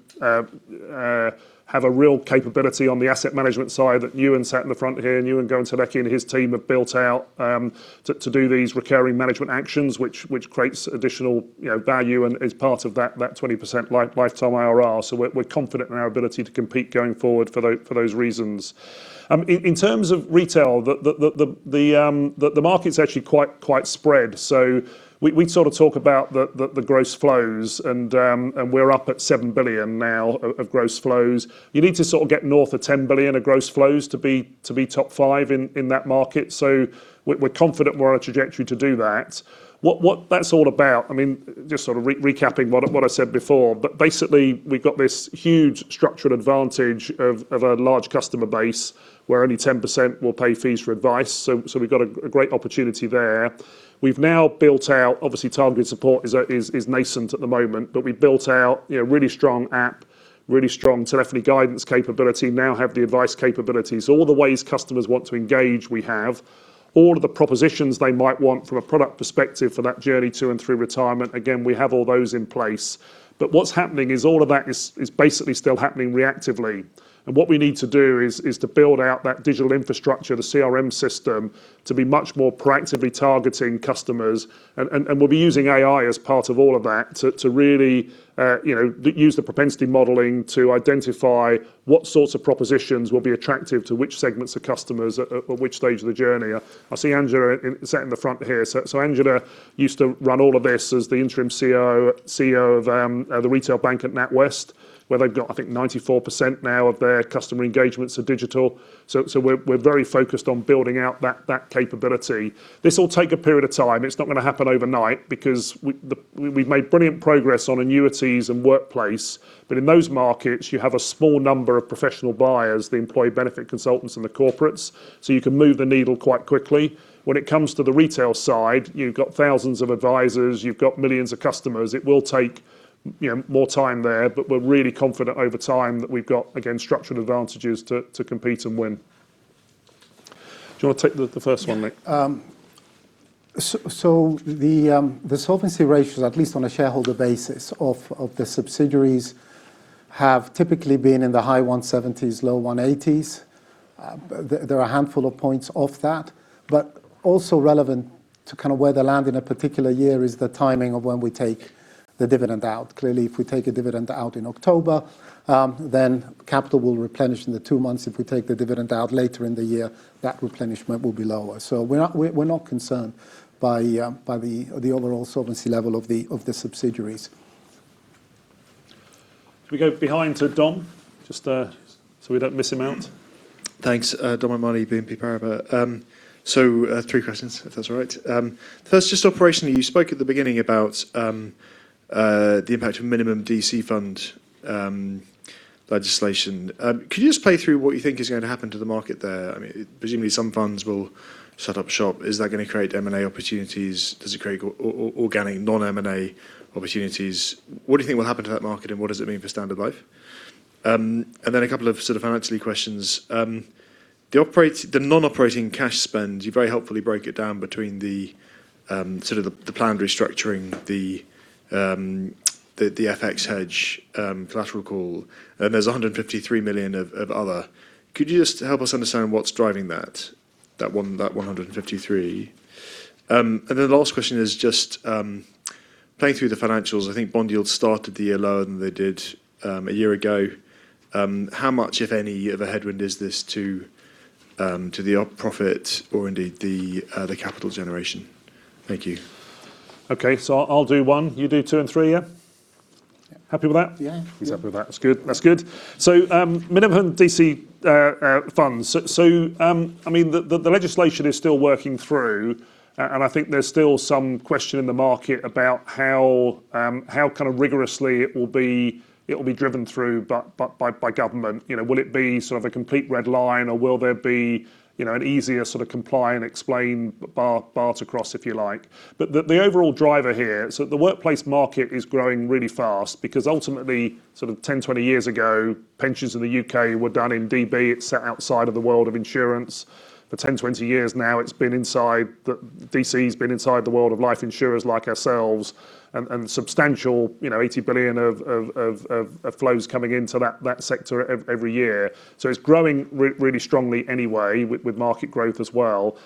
have a real capability on the asset management side that Nuwan sat in the front here, and Nuwan Goonetilleke and his team have built out, to do these recurring management actions which creates additional, you know, value and is part of that 20% lifetime IRR. We're confident in our ability to compete going forward for those reasons. In terms of retail, the market's actually quite spread. We sort of talk about the gross flows and we're up at 7 billion now of gross flows. You need to sort of get north of 10 billion of gross flows to be top five in that market. We're confident we're on a trajectory to do that. What that's all about, I mean, just sort of recapping what I said before, but basically we've got this huge structural advantage of a large customer base where only 10% will pay fees for advice. So we've got a great opportunity there. We've now built out obviously, targeted support is nascent at the moment. But we built out, you know, a really strong app, really strong telephony guidance capability, now have the advice capabilities. All the ways customers want to engage, we have. All of the propositions they might want from a product perspective for that journey to and through retirement, again, we have all those in place. What's happening is all of that is basically still happening reactively. What we need to do is to build out that digital infrastructure, the CRM system, to be much more proactively targeting customers. We'll be using AI as part of all of that to really, you know, use the propensity modeling to identify what sorts of propositions will be attractive to which segments of customers at which stage of the journey. I see Angela sat in the front here. Angela used to run all of this as the interim CEO of the retail bank at NatWest, where they've got, I think, 94% now of their customer engagements are digital. We're very focused on building out that capability. This will take a period of time. It's not gonna happen overnight because we've made brilliant progress on annuities and workplace. But in those markets, you have a small number of professional buyers, the employee benefit consultants and the corporates, so you can move the needle quite quickly. When it comes to the retail side, you've got thousands of advisors, you've got millions of customers. It will take, you know, more time there, but we're really confident over time that we've got, again, structural advantages to compete and win. Do you wanna take the first one, Nick? Yeah. The solvency ratios, at least on a shareholder basis of the subsidiaries, have typically been in the high 170s, low 180s. There are a handful of points of that. Also relevant to kind of where they land in a particular year is the timing of when we take the dividend out. Clearly, if we take a dividend out in October, then capital will replenish in the two months. If we take the dividend out later in the year, that replenishment will be lower. We're not concerned by the overall solvency level of the subsidiaries. Can we go back to Dom? Just so we don't miss him out. Thanks. Dominic O'Mahony, BNP Paribas. Three questions, if that's all right. First, just operationally, you spoke at the beginning about the impact of minimum DC fund legislation. Could you just play through what you think is gonna happen to the market there? I mean, presumably some funds will shut up shop. Is that gonna create M&A opportunities? Does it create organic non-M&A opportunities? What do you think will happen to that market, and what does it mean for Standard Life? Then a couple of sort of financial questions. The non-operating cash spend, you very helpfully break it down between the sort of the planned restructuring, the FX hedge, collateral call, and there's 153 million of other. Could you just help us understand what's driving that 153? The last question is just playing through the financials. I think bond yields started the year lower than they did a year ago. How much, if any, of a headwind is this to the profit or indeed the capital generation? Thank you. Okay. I'll do one. You do two and three, yeah? Yeah. Happy with that? Yeah. He's happy with that. That's good. Minimum DC funds. I mean, the legislation is still working through. I think there's still some question in the market about how kind of rigorously it will be driven through by government. You know, will it be sort of a complete red line, or will there be, you know, an easier sort of comply and explain bar to cross, if you like? The overall driver here. The workplace market is growing really fast because ultimately, sort of 10 years, 20 years ago, pensions in the U.K. were done in DB. It sat outside of the world of insurance. For 10 years, 20 years now, the DC's been inside the world of life insurers like ourselves and substantial, you know, 80 billion of flows coming into that sector every year. It's growing really strongly anyway with market growth as well.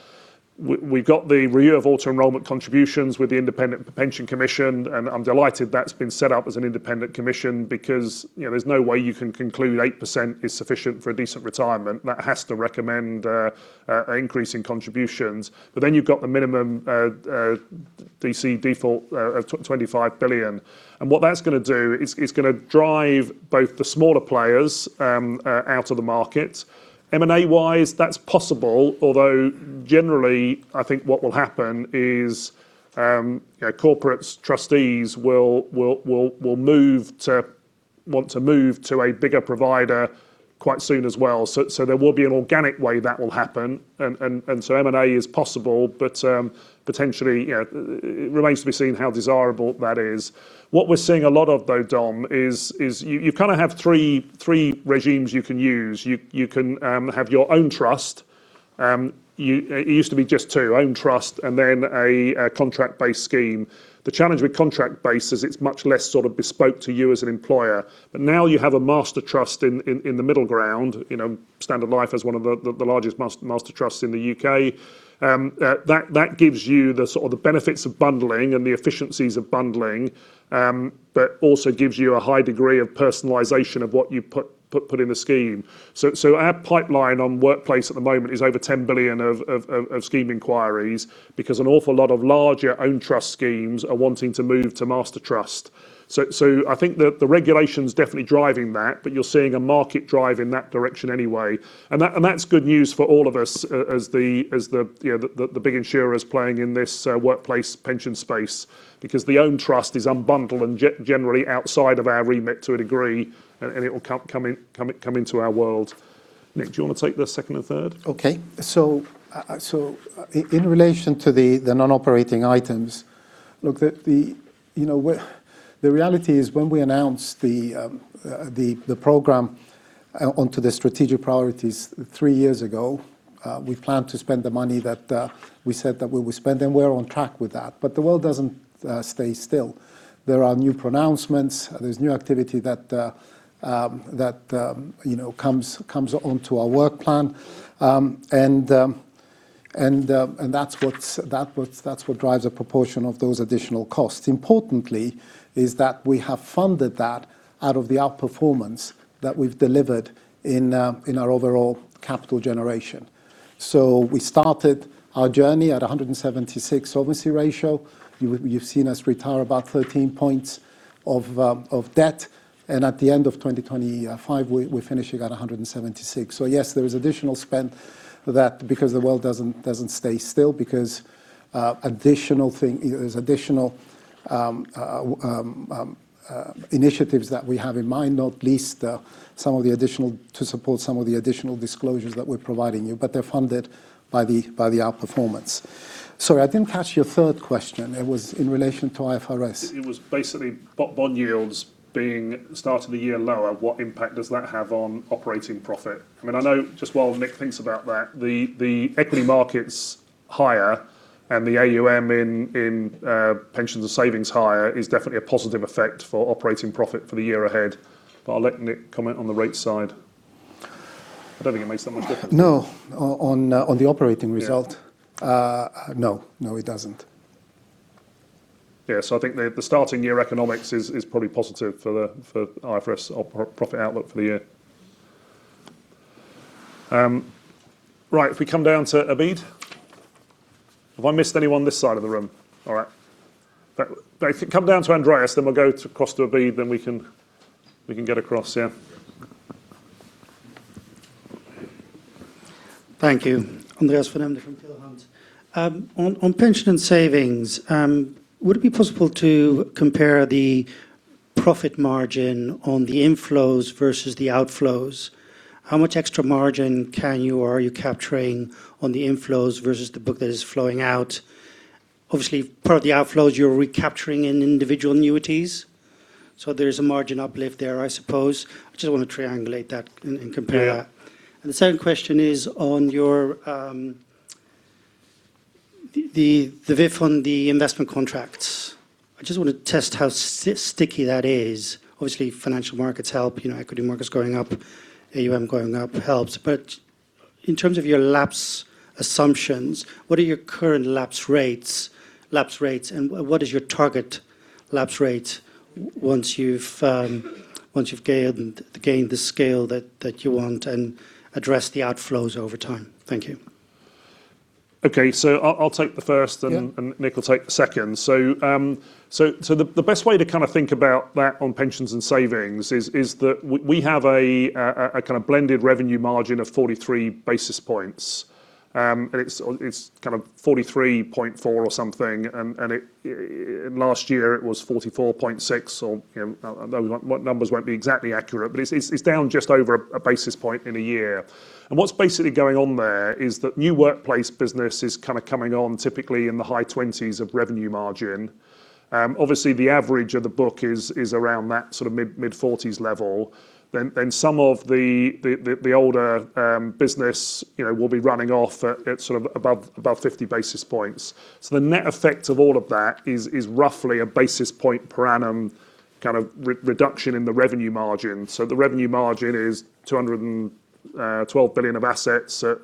We got the review of auto-enrolment contributions with the Independent Pension Commission, and I'm delighted that's been set up as an independent commission because, you know, there's no way you can conclude 8% is sufficient for a decent retirement. That has to recommend increasing contributions. Then you've got the minimum DC default of 25 billion, and what that's gonna do is gonna drive both the smaller players out of the market. M&A-wise, that's possible, although generally I think what will happen is, you know, corporates, trustees will want to move to a bigger provider quite soon as well. There will be an organic way that will happen. M&A is possible, but potentially, you know, it remains to be seen how desirable that is. What we're seeing a lot of though, Dom, is you kind of have three regimes you can use. You can have your own trust. It used to be just two, own trust and then a contract-based scheme. The challenge with contract-based is it's much less sort of bespoke to you as an employer. Now you have a master trust in the middle ground. You know, Standard Life is one of the largest master trusts in the U.K. That gives you the sort of the benefits of bundling and the efficiencies of bundling, but also gives you a high degree of personalization of what you put in the scheme. So our pipeline on workplace at the moment is over 10 billion of scheme inquiries because an awful lot of larger own trust schemes are wanting to move to master trust. So I think the regulation's definitely driving that. But you're seeing a market drive in that direction anyway, and that and that's good news for all of us as the you know, the big insurers playing in this workplace pension space. Because the own trust is unbundled and generally outside of our remit to a degree, and it will come into our world. Nick, do you wanna take the second and third? In relation to the non-operating items. The reality is when we announced the program onto the strategic priorities three years ago, we planned to spend the money that we said that we would spend, and we're on track with that. The world doesn't stay still. There are new pronouncements. There's new activity that, you know, comes onto our work plan. That's what drives a proportion of those additional costs. Importantly is that we have funded that out of the outperformance that we've delivered in our overall capital generation. We started our journey at 176 solvency ratio. You've seen us retire about 13 points of debt, and at the end of 2025, we're finishing at 176 solvency ratio. Yes, there is additional spend for that because the world doesn't stay still. There's additional initiatives that we have in mind, not least some of the additional to support some of the additional disclosures that we're providing you. But they're funded by the outperformance. Sorry, I didn't catch your third question. It was in relation to IFRS. It was basically bond yields being start of the year lower, what impact does that have on operating profit? I mean, I know, just while Nick thinks about that, the equity market's higher, and the AUM in Pensions and Savings higher is definitely a positive effect for operating profit for the year ahead. I'll let Nick comment on the rates side. I don't think it makes that much difference. No, on the operating result. Yeah No. No, it doesn't. Yeah. I think the starting year economics is probably positive for the IFRS profit outlook for the year. Right. If we come down to Abid. Have I missed anyone this side of the room? All right. If you come down to Andreas, then we'll go across to Abid, then we can get across. Yeah. Thank you. Andreas van Embden from Peel Hunt. On pension and savings, would it be possible to compare the profit margin on the inflows versus the outflows? How much extra margin can you or are you capturing on the inflows versus the book that is flowing out? Obviously, part of the outflows you're recapturing in individual annuities, so there is a margin uplift there, I suppose. I just wanna triangulate that and compare that. The second question is on your the VIF on the investment contracts. I just wanna test how sticky that is. Obviously, financial markets help. You know, equity markets going up, AUM going up helps. But in terms of your lapse assumptions, what are your current lapse rates and what is your target lapse rate once you've gained the scale that you want and address the outflows over time? Thank you. Okay. I'll take the first. Nick will take the second. The best way to kind of think about that on Pensions and Savings is that we have a kind of blended revenue margin of 43 basis points. It's kind of 43.4 basis points or something. Last year it was 44.6 basis points or, you know, numbers won't be exactly accurate. It's down just over a basis point in a year. What's basically going on there is that new workplace business is kind of coming on typically in the high 20s of revenue margin. Obviously the average of the book is around that sort of mid-40s level. Some of the older business, you know, will be running off at sort of above 50 basis points. The net effect of all of that is roughly a basis point per annum kind of reduction in the revenue margin. The revenue margin is 212 billion of assets at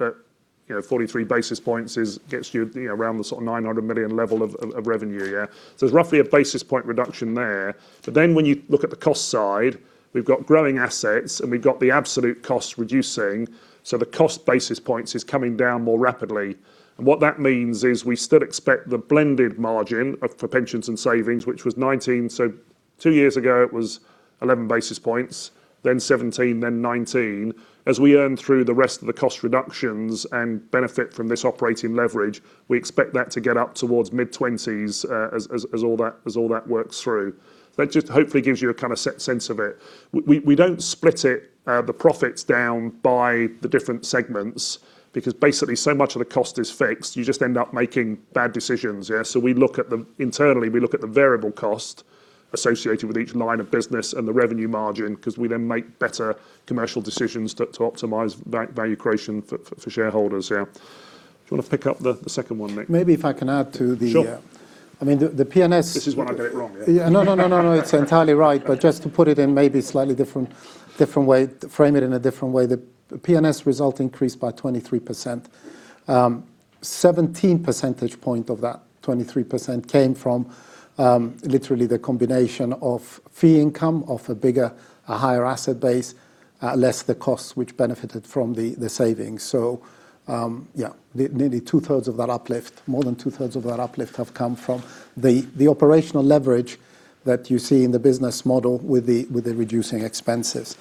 you know, 43 basis points, gets you know, around the sort of 900 million level of revenue, yeah. There's roughly a basis point reduction there. When you look at the cost side, we've got growing assets, and we've got the absolute cost reducing, so the cost basis points is coming down more rapidly. What that means is we still expect the blended margin of, for Pensions and Savings, which was 19 basis points. Two years ago it was 11 basis points, then 17 basis points, then 19 basis points. As we earn through the rest of the cost reductions and benefit from this operating leverage, we expect that to get up towards mid-20s, as all that works through. That just hopefully gives you a kind of sense of it. We don't split the profits down by the different segments because basically so much of the cost is fixed, you just end up making bad decisions, yeah. We look at the variable cost associated with each line of business and the revenue margin 'cause we then make better commercial decisions to optimize value creation for shareholders, yeah. Do you wanna pick up the second one, Nick? Maybe if I can add to the. Sure. I mean, the P&S This is where I get it wrong, yeah. Yeah. No, it's entirely right. Just to put it in maybe a slightly different way, frame it in a different way, the P&S result increased by 23%. 17 percentage point of that 23% came from literally the combination of fee income, of a bigger, a higher asset base, less the costs which benefited from the savings. Nearly two-thirds of that uplift, more than 2/3 of that uplift have come from the operational leverage that you see in the business model with the reducing expenses.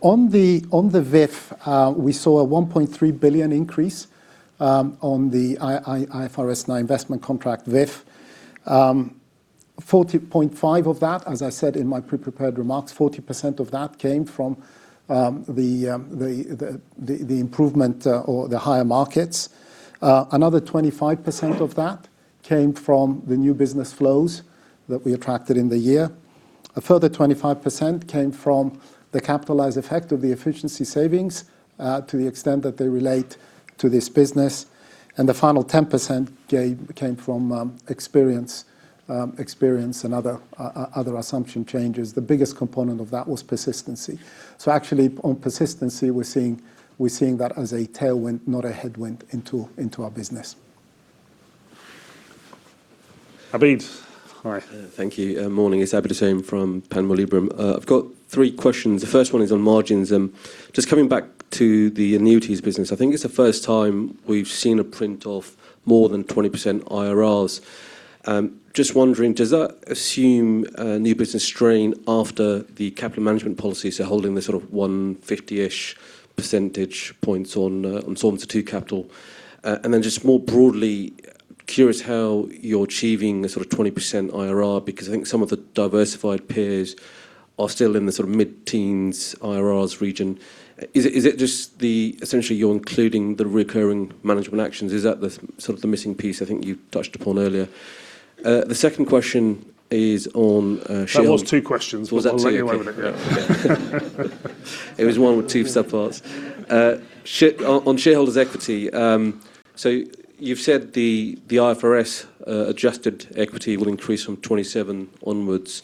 On the VIF, we saw a 1.3 billion increase on the IFRS 9 investment contract VIF. 40.5% of that, as I said in my pre-prepared remarks, 40% of that came from the improvement or the higher markets. Another 25% of that came from the new business flows that we attracted in the year. A further 25% came from the capitalized effect of the efficiency savings, to the extent that they relate to this business. The final 10% came from experience and other assumption changes. The biggest component of that was persistency. Actually on persistency, we're seeing that as a tailwind, not a headwind into our business. Abid. Hi. Thank you. Morning. It's Abid Hussain from Panmure Liberum. I've got three questions. The first one is on margins. Just coming back to the annuities business. I think it's the first time we've seen a print of more than 20% IRRs. Just wondering, does that assume a new business strain after the capital management policy, so holding the sort of 150-ish percentage points on Solvency II capital? And then just more broadly, curious how you're achieving the sort of 20% IRR because I think some of the diversified peers are still in the sort of mid-teens IRRs region. Is it just the essentially you're including the recurring management actions. Is that the sort of missing piece I think you touched upon earlier? The second question is on shareholder- That was two questions. Was that two? Okay. We'll let you get away with it. Yeah. It was one with two sub parts. On shareholders' equity, so you've said the IFRS adjusted equity will increase from 2027 onwards.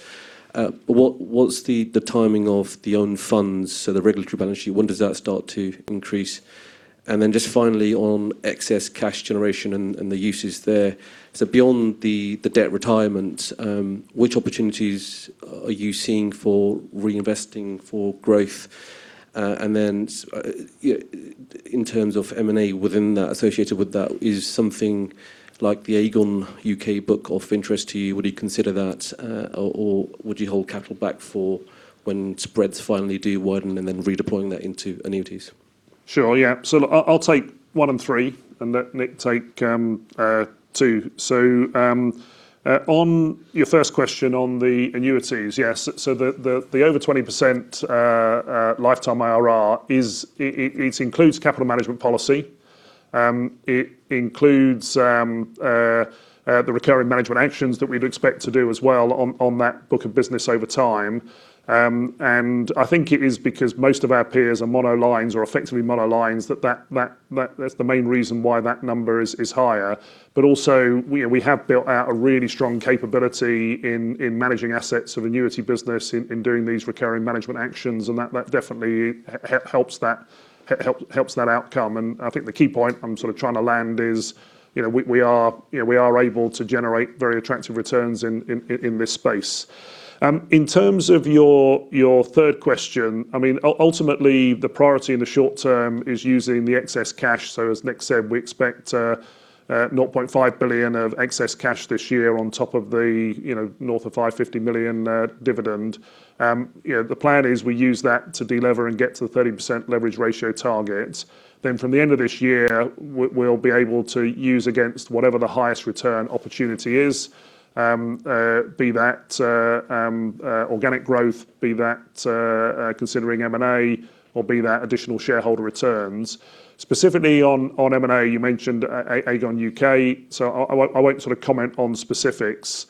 What's the timing of the own funds, so the regulatory balance sheet? When does that start to increase? Just finally on excess cash generation and the uses there. Beyond the debt retirement, which opportunities are you seeing for reinvesting for growth? In terms of M&A within that, associated with that, is something like the Aegon U.K. book of interest to you? Would you consider that, or would you hold capital back for when spreads finally do widen and then redeploying that into annuities? Sure, yeah. I'll take one and three, and let Nick take two. On your first question on the annuities, yes. The over 20% lifetime IRR is. It includes capital management policy. It includes the recurring management actions that we'd expect to do as well on that book of business over time. I think it is because most of our peers are mono lines or effectively mono lines, that's the main reason why that number is higher. Also we have built out a really strong capability in managing assets of annuity business in doing these recurring management actions, and that definitely helps that outcome. I think the key point I'm sort of trying to land is, you know, we are able to generate very attractive returns in this space. In terms of your third question, I mean, ultimately the priority in the short term is using the excess cash. As Nick said, we expect 0.5 billion of excess cash this year on top of the, you know, north of 550 million dividend. You know, the plan is we use that to delever and get to the 30% leverage ratio target. From the end of this year, we'll be able to use against whatever the highest return opportunity is, be that organic growth, be that considering M&A, or be that additional shareholder returns. Specifically on M&A, you mentioned Aegon U.K. I won't sort of comment on specifics.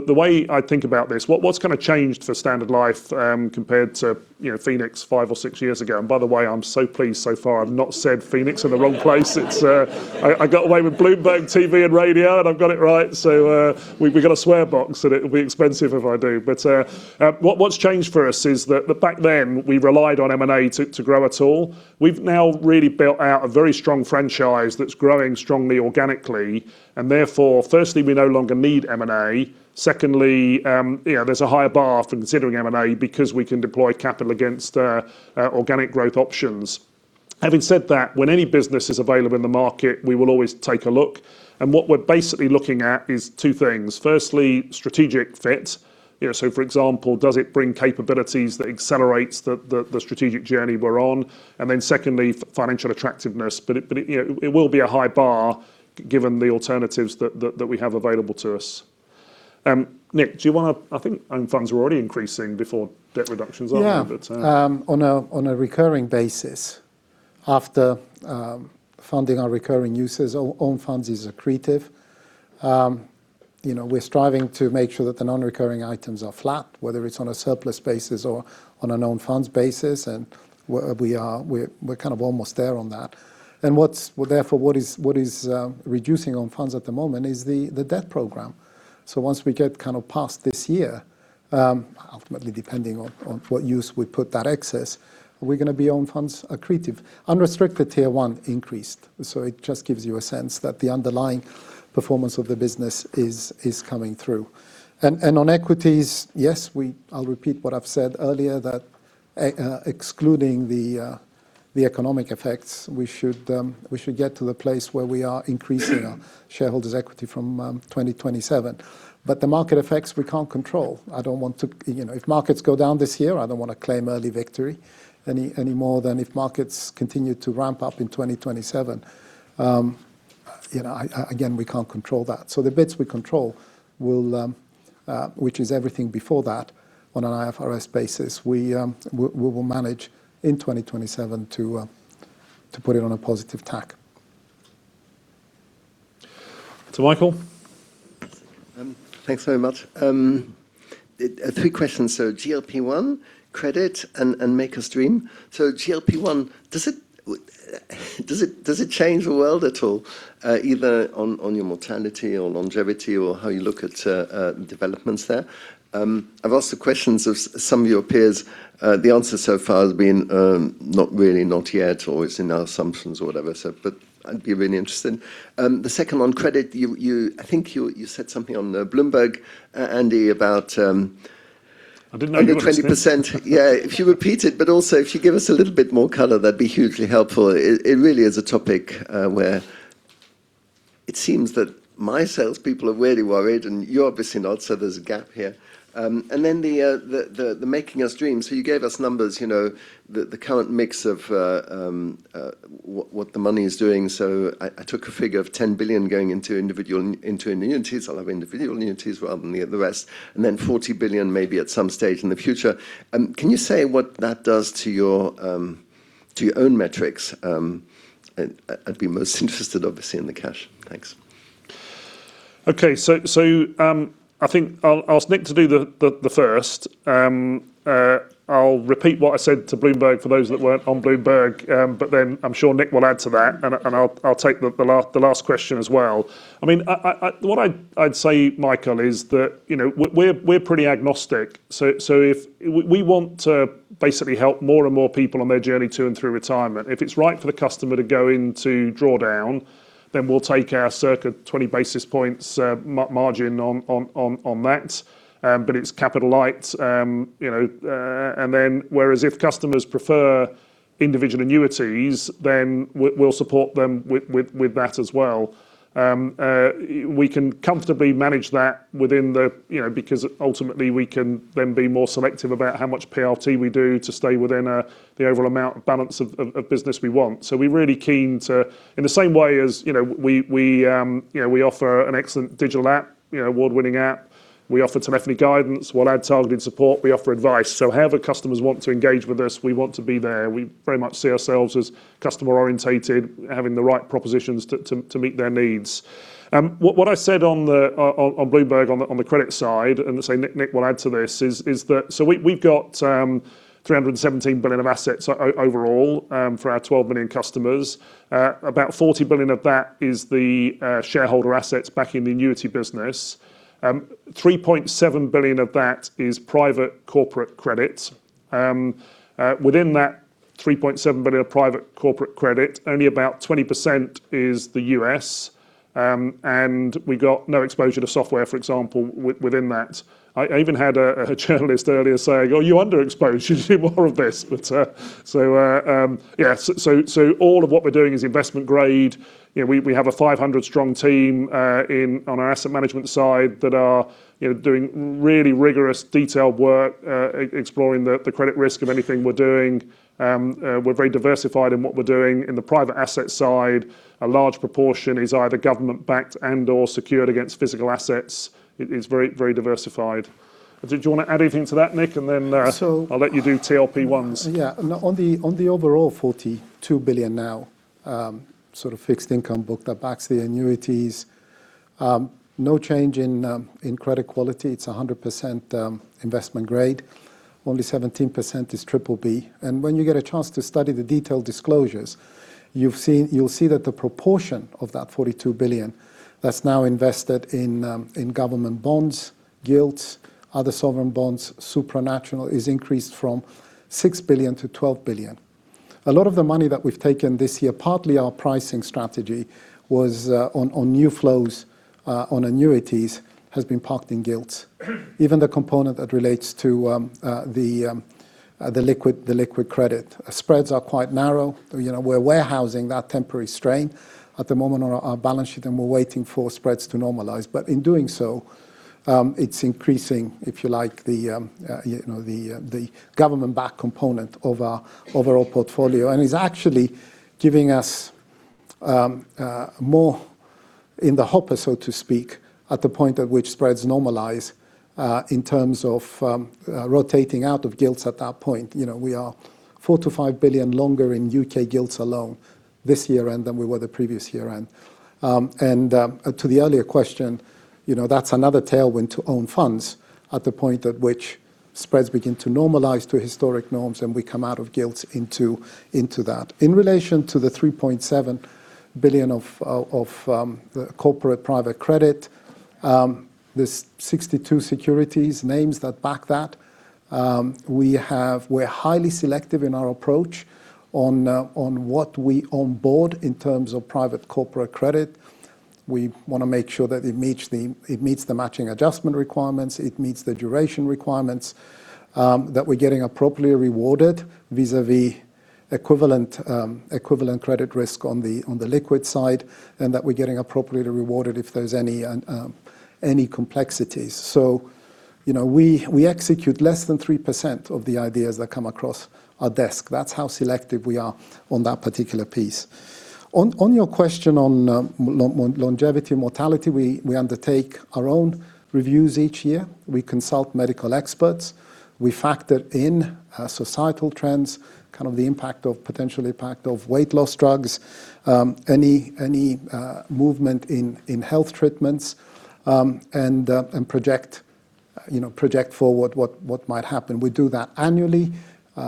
The way I think about this, what's kind of changed for Standard Life compared to Phoenix five or six years ago, and by the way, I'm so pleased so far I've not said Phoenix in the wrong place. It's I got away with Bloomberg TV and radio, and I've got it right. We've got a swear box, and it'll be expensive if I do. What's changed for us is that back then we relied on M&A to grow at all. We've now really built out a very strong franchise that's growing strongly organically. Therefore, firstly, we no longer need M&A. Secondly, you know, there's a higher bar for considering M&A because we can deploy capital against organic growth options. Having said that, when any business is available in the market, we will always take a look. What we're basically looking at is two things. Firstly, strategic fit. You know, so for example, does it bring capabilities that accelerates the strategic journey we're on? Then secondly, financial attractiveness. But you know, it will be a high bar given the alternatives that we have available to us. Nick, do you want to? I think own funds were already increasing before debt reductions, aren't they? Yeah. On a recurring basis. After funding our recurring uses, own funds is accretive. You know, we're striving to make sure that the non-recurring items are flat, whether it's on a surplus basis or on an own funds basis. We're kind of almost there on that. Therefore, what is reducing own funds at the moment is the debt program. Once we get kind of past this year, ultimately depending on what use we put that excess, we're gonna be own funds accretive. Unrestricted Tier 1 increased. It just gives you a sense that the underlying performance of the business is coming through. On equities, yes, I'll repeat what I've said earlier that excluding the economic effects, we should get to the place where we are increasing our shareholders' equity from 2027. The market effects we can't control. I don't want to. You know, if markets go down this year, I don't wanna claim early victory any more than if markets continue to ramp up in 2027. You know, again, we can't control that. The bits we control, which is everything before that on an IFRS basis, we will manage in 2027 to put it on a positive tack. To Michael. Thanks very much. Three questions. GLP-1, credit, and make us dream. GLP-1, does it change the world at all, either on your mortality or longevity or how you look at developments there? I've asked the questions of some of your peers. The answer so far has been not really, not yet, or it's in our assumptions or whatever. I'd be really interested. The second on credit, I think you said something on Bloomberg, Andy, about I didn't know you were listening. Yeah, if you repeat it, but also if you give us a little bit more color, that'd be hugely helpful. It really is a topic where it seems that my salespeople are really worried, and you're obviously not, so there's a gap here. And then the making us dream. So you gave us numbers, you know, the current mix of what the money is doing. So I took a figure of 10 billion going into individual annuities. I have individual annuities rather than the rest, and then 40 billion maybe at some stage in the future. Can you say what that does to your own metrics? I'd be most interested obviously in the cash. Thanks. Okay. I think I'll ask Nick to do the first. I'll repeat what I said to Bloomberg for those that weren't on Bloomberg. Then I'm sure Nick will add to that. I'll take the last question as well. I mean, what I'd say, Michael, is that, you know, we're pretty agnostic. We want to basically help more and more people on their journey to and through retirement. If it's right for the customer to go into drawdown, then we'll take our circa 20 basis points margin on that. It's capital light. You know, then whereas if customers prefer individual annuities, then we'll support them with that as well. We can comfortably manage that within the. You know, because ultimately we can then be more selective about how much PRT we do to stay within the overall amount balance of business we want. We're really keen to. In the same way as, you know, we offer an excellent digital app, you know, award-winning app. We offer some pension guidance. We'll add targeted support. We offer advice. However customers want to engage with us, we want to be there. We very much see ourselves as customer-oriented, having the right propositions to meet their needs. What I said on Bloomberg on the credit side, and as I say, Nick will add to this, is that we've got 317 billion of assets overall for our 12 million customers. About 40 billion of that is the shareholder assets back in the annuity business. 3.7 billion of that is private corporate credit. Within that 3.7 billion of private corporate credit, only about 20% is the U.S. We got no exposure to software, for example, within that. I even had a journalist earlier saying, "Are you underexposed? Should you do more of this?" All of what we're doing is investment grade. You know, we have a 500-strong team in on our asset management side that are doing really rigorous detailed work exploring the credit risk of anything we're doing. We're very diversified in what we're doing. In the private asset side, a large proportion is either government backed and/or secured against physical assets. It is very diversified. Do you wanna add anything to that, Nick? I'll let you do GLP-1s. On the overall 42 billion now, sort of fixed income book that backs the annuities, no change in credit quality. It's 100% investment grade. Only 17% is triple B. When you get a chance to study the detailed disclosures, you'll see that the proportion of that 42 billion that's now invested in government bonds, gilts, other sovereign bonds, supranational, is increased from 6 billion to 12 billion. A lot of the money that we've taken this year, partly our pricing strategy, was on new flows on annuities, has been parked in gilts. Even the component that relates to the liquid credit. Spreads are quite narrow. You know, we're warehousing that temporary strain at the moment on our balance sheet, and we're waiting for spreads to normalize. In doing so, it's increasing, if you like, you know, the government-backed component of our overall portfolio and is actually giving us more in the hopper, so to speak, at the point at which spreads normalize in terms of rotating out of gilts at that point. You know, we are 4 billion-5 billion longer in U.K. gilts alone this year end than we were the previous year end. To the earlier question, you know, that's another tailwind to own funds at the point at which spreads begin to normalize to historic norms and we come out of gilts into that. In relation to the 3.7 billion of the corporate private credit, there's 62 securities names that back that. We're highly selective in our approach on what we onboard in terms of private corporate credit. We wanna make sure that it meets the matching adjustment requirements, it meets the duration requirements, that we're getting appropriately rewarded vis-à-vis equivalent credit risk on the liquid side, and that we're getting appropriately rewarded if there's any complexities. You know, we execute less than 3% of the ideas that come across our desk. That's how selective we are on that particular piece. On your question on longevity and mortality, we undertake our own reviews each year. We consult medical experts. We factor in societal trends, kind of the impact of potential impact of weight loss drugs, any movement in health treatments, and project, you know, project forward what might happen. We do that annually.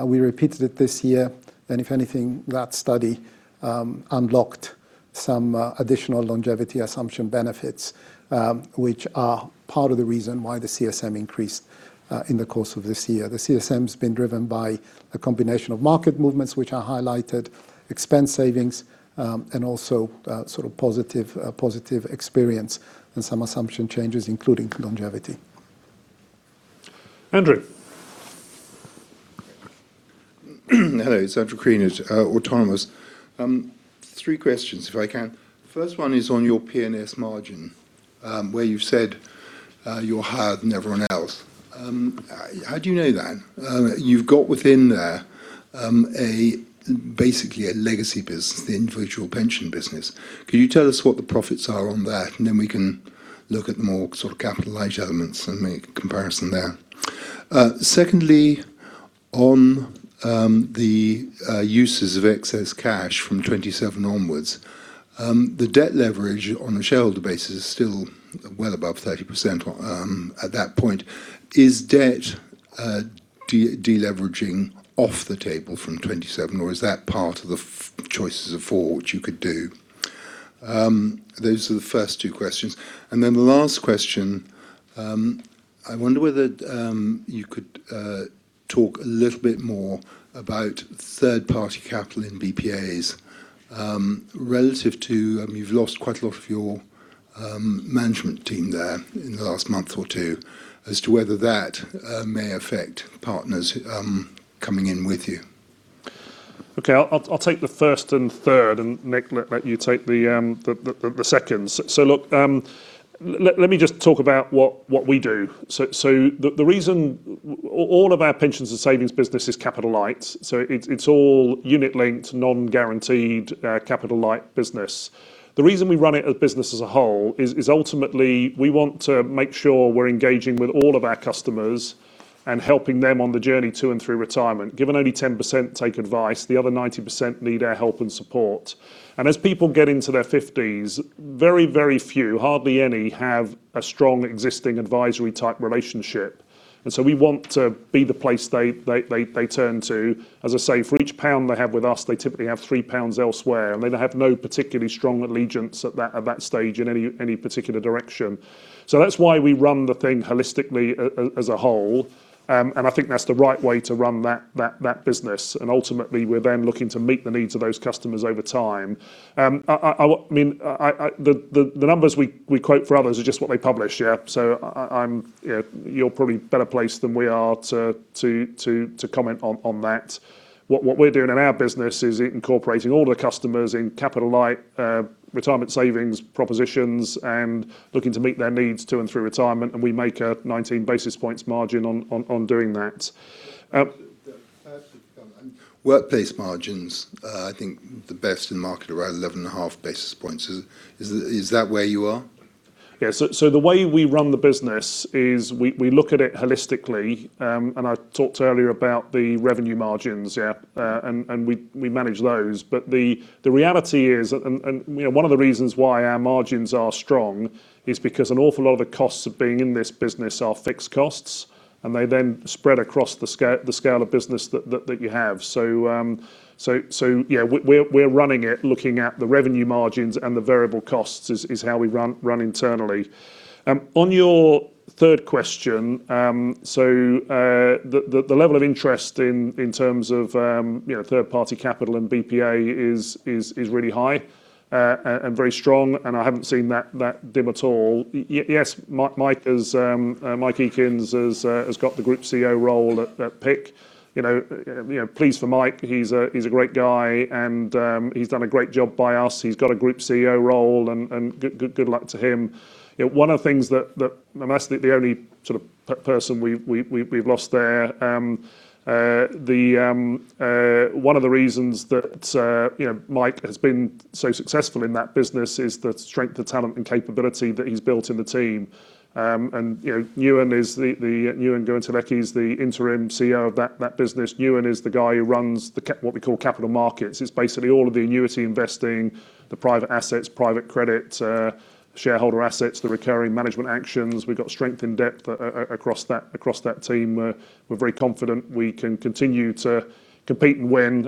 We repeated it this year. If anything, that study unlocked some additional longevity assumption benefits, which are part of the reason why the CSM increased in the course of this year. The CSM's been driven by a combination of market movements which are highlighted, expense savings, and also sort of positive experience and some assumption changes, including longevity. Andrew. Hello, it's Andrew Crean at Autonomous. Three questions if I can. First one is on your P&S margin, where you've said you're higher than everyone else. How do you know that? You've got within there basically a legacy business, the individual pension business. Can you tell us what the profits are on that? Then we can look at more sort of capitalized elements and make a comparison there. Secondly, on the uses of excess cash from 2027 onwards, the debt leverage on a shareholder basis is still well above 30% at that point. Is debt deleveraging off the table from 2027, or is that part of the four choices which you could do? Those are the first two questions. The last question, I wonder whether you could talk a little bit more about third-party capital in BPAs, relative to, I mean, you've lost quite a lot of your management team there in the last month or two, as to whether that may affect partners coming in with you. Okay. I'll take the first and third and, Nick, let you take the second. Look, let me just talk about what we do. So the reason all of our Pensions and Savings business is capital light, so it's all unit-linked, non-guaranteed, capital light business. The reason we run it as business as a whole is ultimately we want to make sure we're engaging with all of our customers and helping them on the journey to and through retirement. Given only 10% take advice, the other 90% need our help and support. As people get into their fifties, very few, hardly any, have a strong existing advisory-type relationship. We want to be the place they turn to. As I say, for each pound they have with us, they typically have three pounds elsewhere. They have no particularly strong allegiance at that stage in any particular direction. That's why we run the thing holistically as a whole. I think that's the right way to run that business. Ultimately, we're then looking to meet the needs of those customers over time. I mean the numbers we quote for others are just what they publish, yeah. I'm you know, you're probably better placed than we are to comment on that. What we're doing in our business is incorporating all the customers in capital-light retirement savings propositions and looking to meet their needs too and through retirement, and we make a 19 basis points margin on doing that. Workplace margins, I think the best in market are around 11.5 basis points. Is that where you are? Yeah. The way we run the business is we look at it holistically. I talked earlier about the revenue margins and we manage those. The reality is, you know, one of the reasons why our margins are strong is because an awful lot of the costs of being in this business are fixed costs, and they then spread across the scale of business that you have. We're running it looking at the revenue margins and the variable costs is how we run internally. On your third question, the level of interest in terms of, you know, third-party capital and BPA is really high. Very strong, and I haven't seen that dim at all. Yes, Mike Eakins has got the Group CEO role at PIC. You know, you know, pleased for Mike. He's a great guy, and he's done a great job by us. He's got a Group CEO role and good luck to him. You know, one of the things that. That's the only sort of person we've lost there. One of the reasons that you know, Mike has been so successful in that business is the strength, the talent and capability that he's built in the team. You know, Nuwan Goonetilleke is the Interim CEO of that business. Nuwan is the guy who runs what we call capital markets. It's basically all of the annuity investing, the private assets, private credit, shareholder assets, the recurring management actions. We've got strength in depth across that team. We're very confident we can continue to compete and win.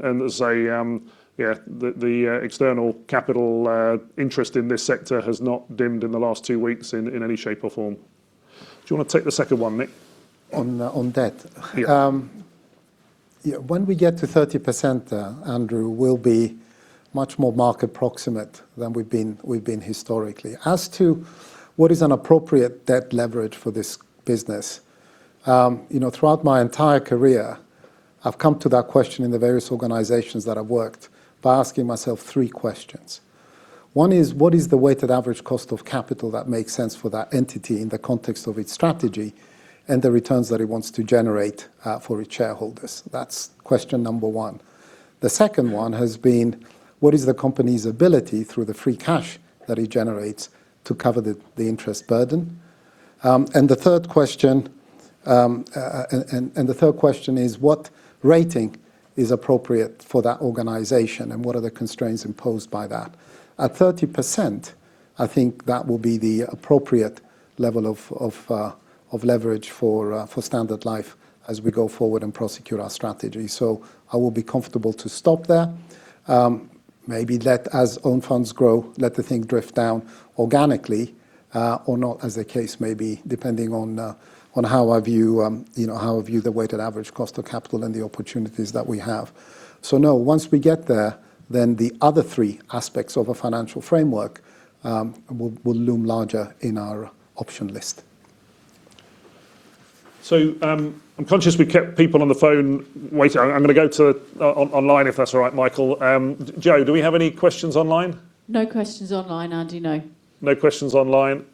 External capital interest in this sector has not dimmed in the last two weeks in any shape or form. Do you wanna take the second one, Nick? On debt? Yeah. Yeah, when we get to 30%, Andrew, we'll be much more market-approximate than we've been historically. As to what is an appropriate debt leverage for this business, you know, throughout my entire career, I've come to that question in the various organizations that I've worked by asking myself three questions. One is, what is the weighted average cost of capital that makes sense for that entity in the context of its strategy and the returns that it wants to generate for its shareholders? That's question number one. The second one has been, what is the company's ability through the free cash that it generates to cover the interest burden? And the third question is, what rating is appropriate for that organization, and what are the constraints imposed by that? At 30%, I think that will be the appropriate level of leverage for Standard Life as we go forward and prosecute our strategy. I will be comfortable to stop there. Maybe let our own funds grow, let the thing drift down organically, or not as the case may be, depending on how I view, you know, how I view the weighted average cost of capital and the opportunities that we have. No, once we get there, then the other three aspects of a financial framework will loom larger in our option list. I'm conscious we kept people on the phone waiting. I'm gonna go to online, if that's all right, Michael. Jo, do we have any questions online? No questions online, Andy, no. No questions online.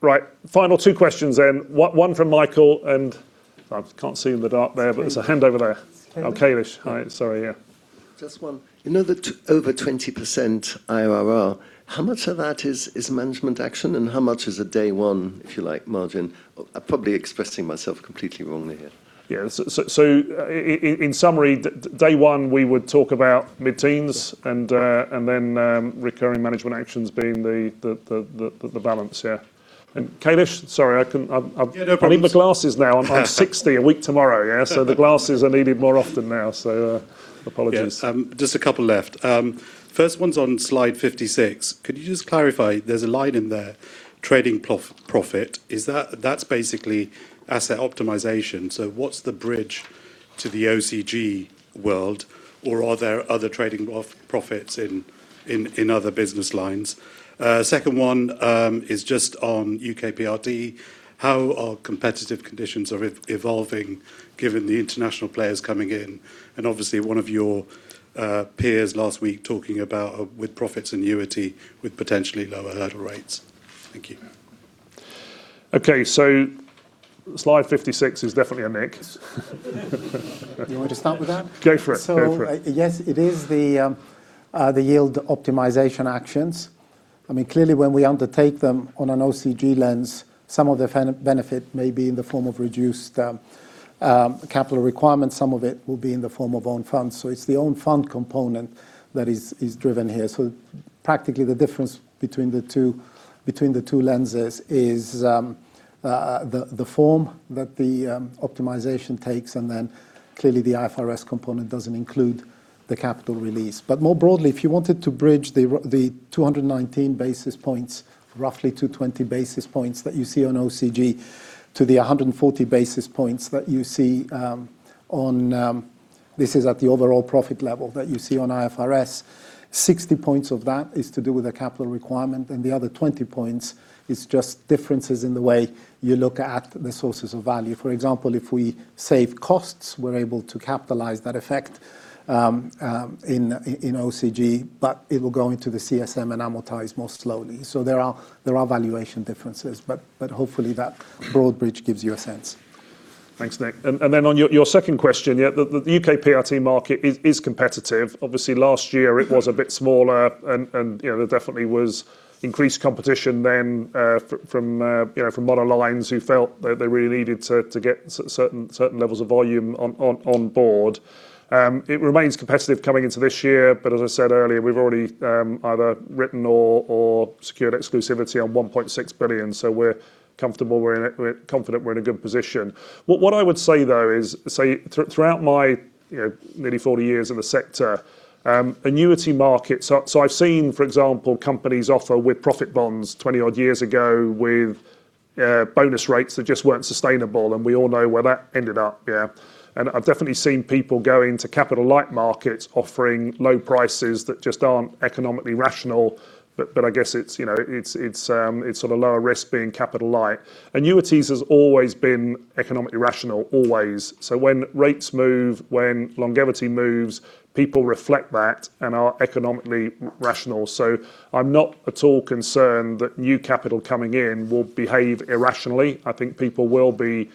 Right, final two questions then. One from Michael and I can't see in the dark there, but it's a hand over there. Oh, Kailesh. Hi, sorry, yeah. Just one. You know the over 20% IRR, how much of that is management action and how much is a day one, if you like, margin? Probably expressing myself completely wrongly here. Yeah. So in summary, day one, we would talk about mid-teens and then recurring management actions being the balance, yeah. Kailesh, sorry, I can. I've Yeah, no problems. I need my glasses now. I'm 60 years in a week tomorrow, yeah? The glasses are needed more often now. Apologies. Yeah. Just a couple left. First one's on slide 56. Could you just clarify, there's a line in there, trading profit. Is that. That's basically asset optimization. What's the bridge to the OCG world? Or are there other trading of profits in other business lines? Second one is just on U.K. PRT. How are competitive conditions evolving given the international players coming in? Obviously, one of your peers last week talking about with-profits annuity with potentially lower hurdle rates. Thank you. Okay. Slide 56 is definitely on Nick. You want me to start with that? Go for it. Yes, it is the yield optimization actions. I mean, clearly, when we undertake them on an OCG lens, some of the benefit may be in the form of reduced capital requirements, some of it will be in the form of own funds. It's the own fund component that is driven here. Practically, the difference between the two lenses is the form that the optimization takes, and then clearly, the IFRS component doesn't include the capital release. More broadly, if you wanted to bridge the 219 basis points, roughly 220 basis points that you see on OCG, to the 140 basis points that you see on IFRS. This is at the overall profit level that you see on IFRS. 60 points of that is to do with the capital requirement, and the other 20 points is just differences in the way you look at the sources of value. For example, if we save costs, we're able to capitalize that effect, in OCG, but it will go into the CSM and amortize more slowly. There are valuation differences, but hopefully, that broad bridge gives you a sense. Thanks, Nick. Then on your second question, yeah, the U.K. PRT market is competitive. Obviously, last year it was a bit smaller and you know, there definitely was increased competition then from you know, from monoline who felt they really needed to get certain levels of volume on board. It remains competitive coming into this year, but as I said earlier, we've already either written or secured exclusivity on 1.6 billion. So we're comfortable we're in it. We're confident we're in a good position. What I would say, though, is, say, throughout my, you know, nearly 40 years in the sector, annuity markets, so I've seen, for example, companies offer with-profit bonds 20-odd years ago with, bonus rates that just weren't sustainable, and we all know where that ended up. Yeah. I've definitely seen people go into capital-light markets offering low prices that just aren't economically rational. I guess it's, you know, it's sort of lower risk being capital-light. Annuities has always been economically rational, always. When rates move, when longevity moves, people reflect that and are economically rational. I'm not at all concerned that new capital coming in will behave irrationally. I think people will be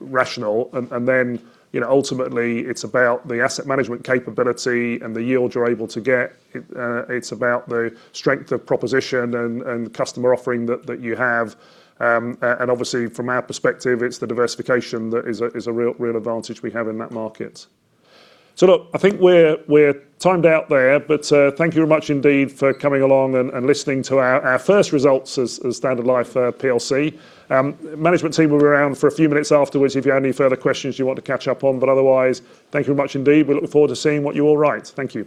rational. You know, ultimately, it's about the asset management capability and the yields you're able to get. It's about the strength of proposition and customer offering that you have. And obviously, from our perspective, it's the diversification that is a real advantage we have in that market. Look, I think we're timed out there. Thank you very much indeed for coming along and listening to our first results as Standard Life plc. Management team will be around for a few minutes afterwards if you have any further questions you want to catch up on. Otherwise, thank you very much indeed. We look forward to seeing what you all write. Thank you.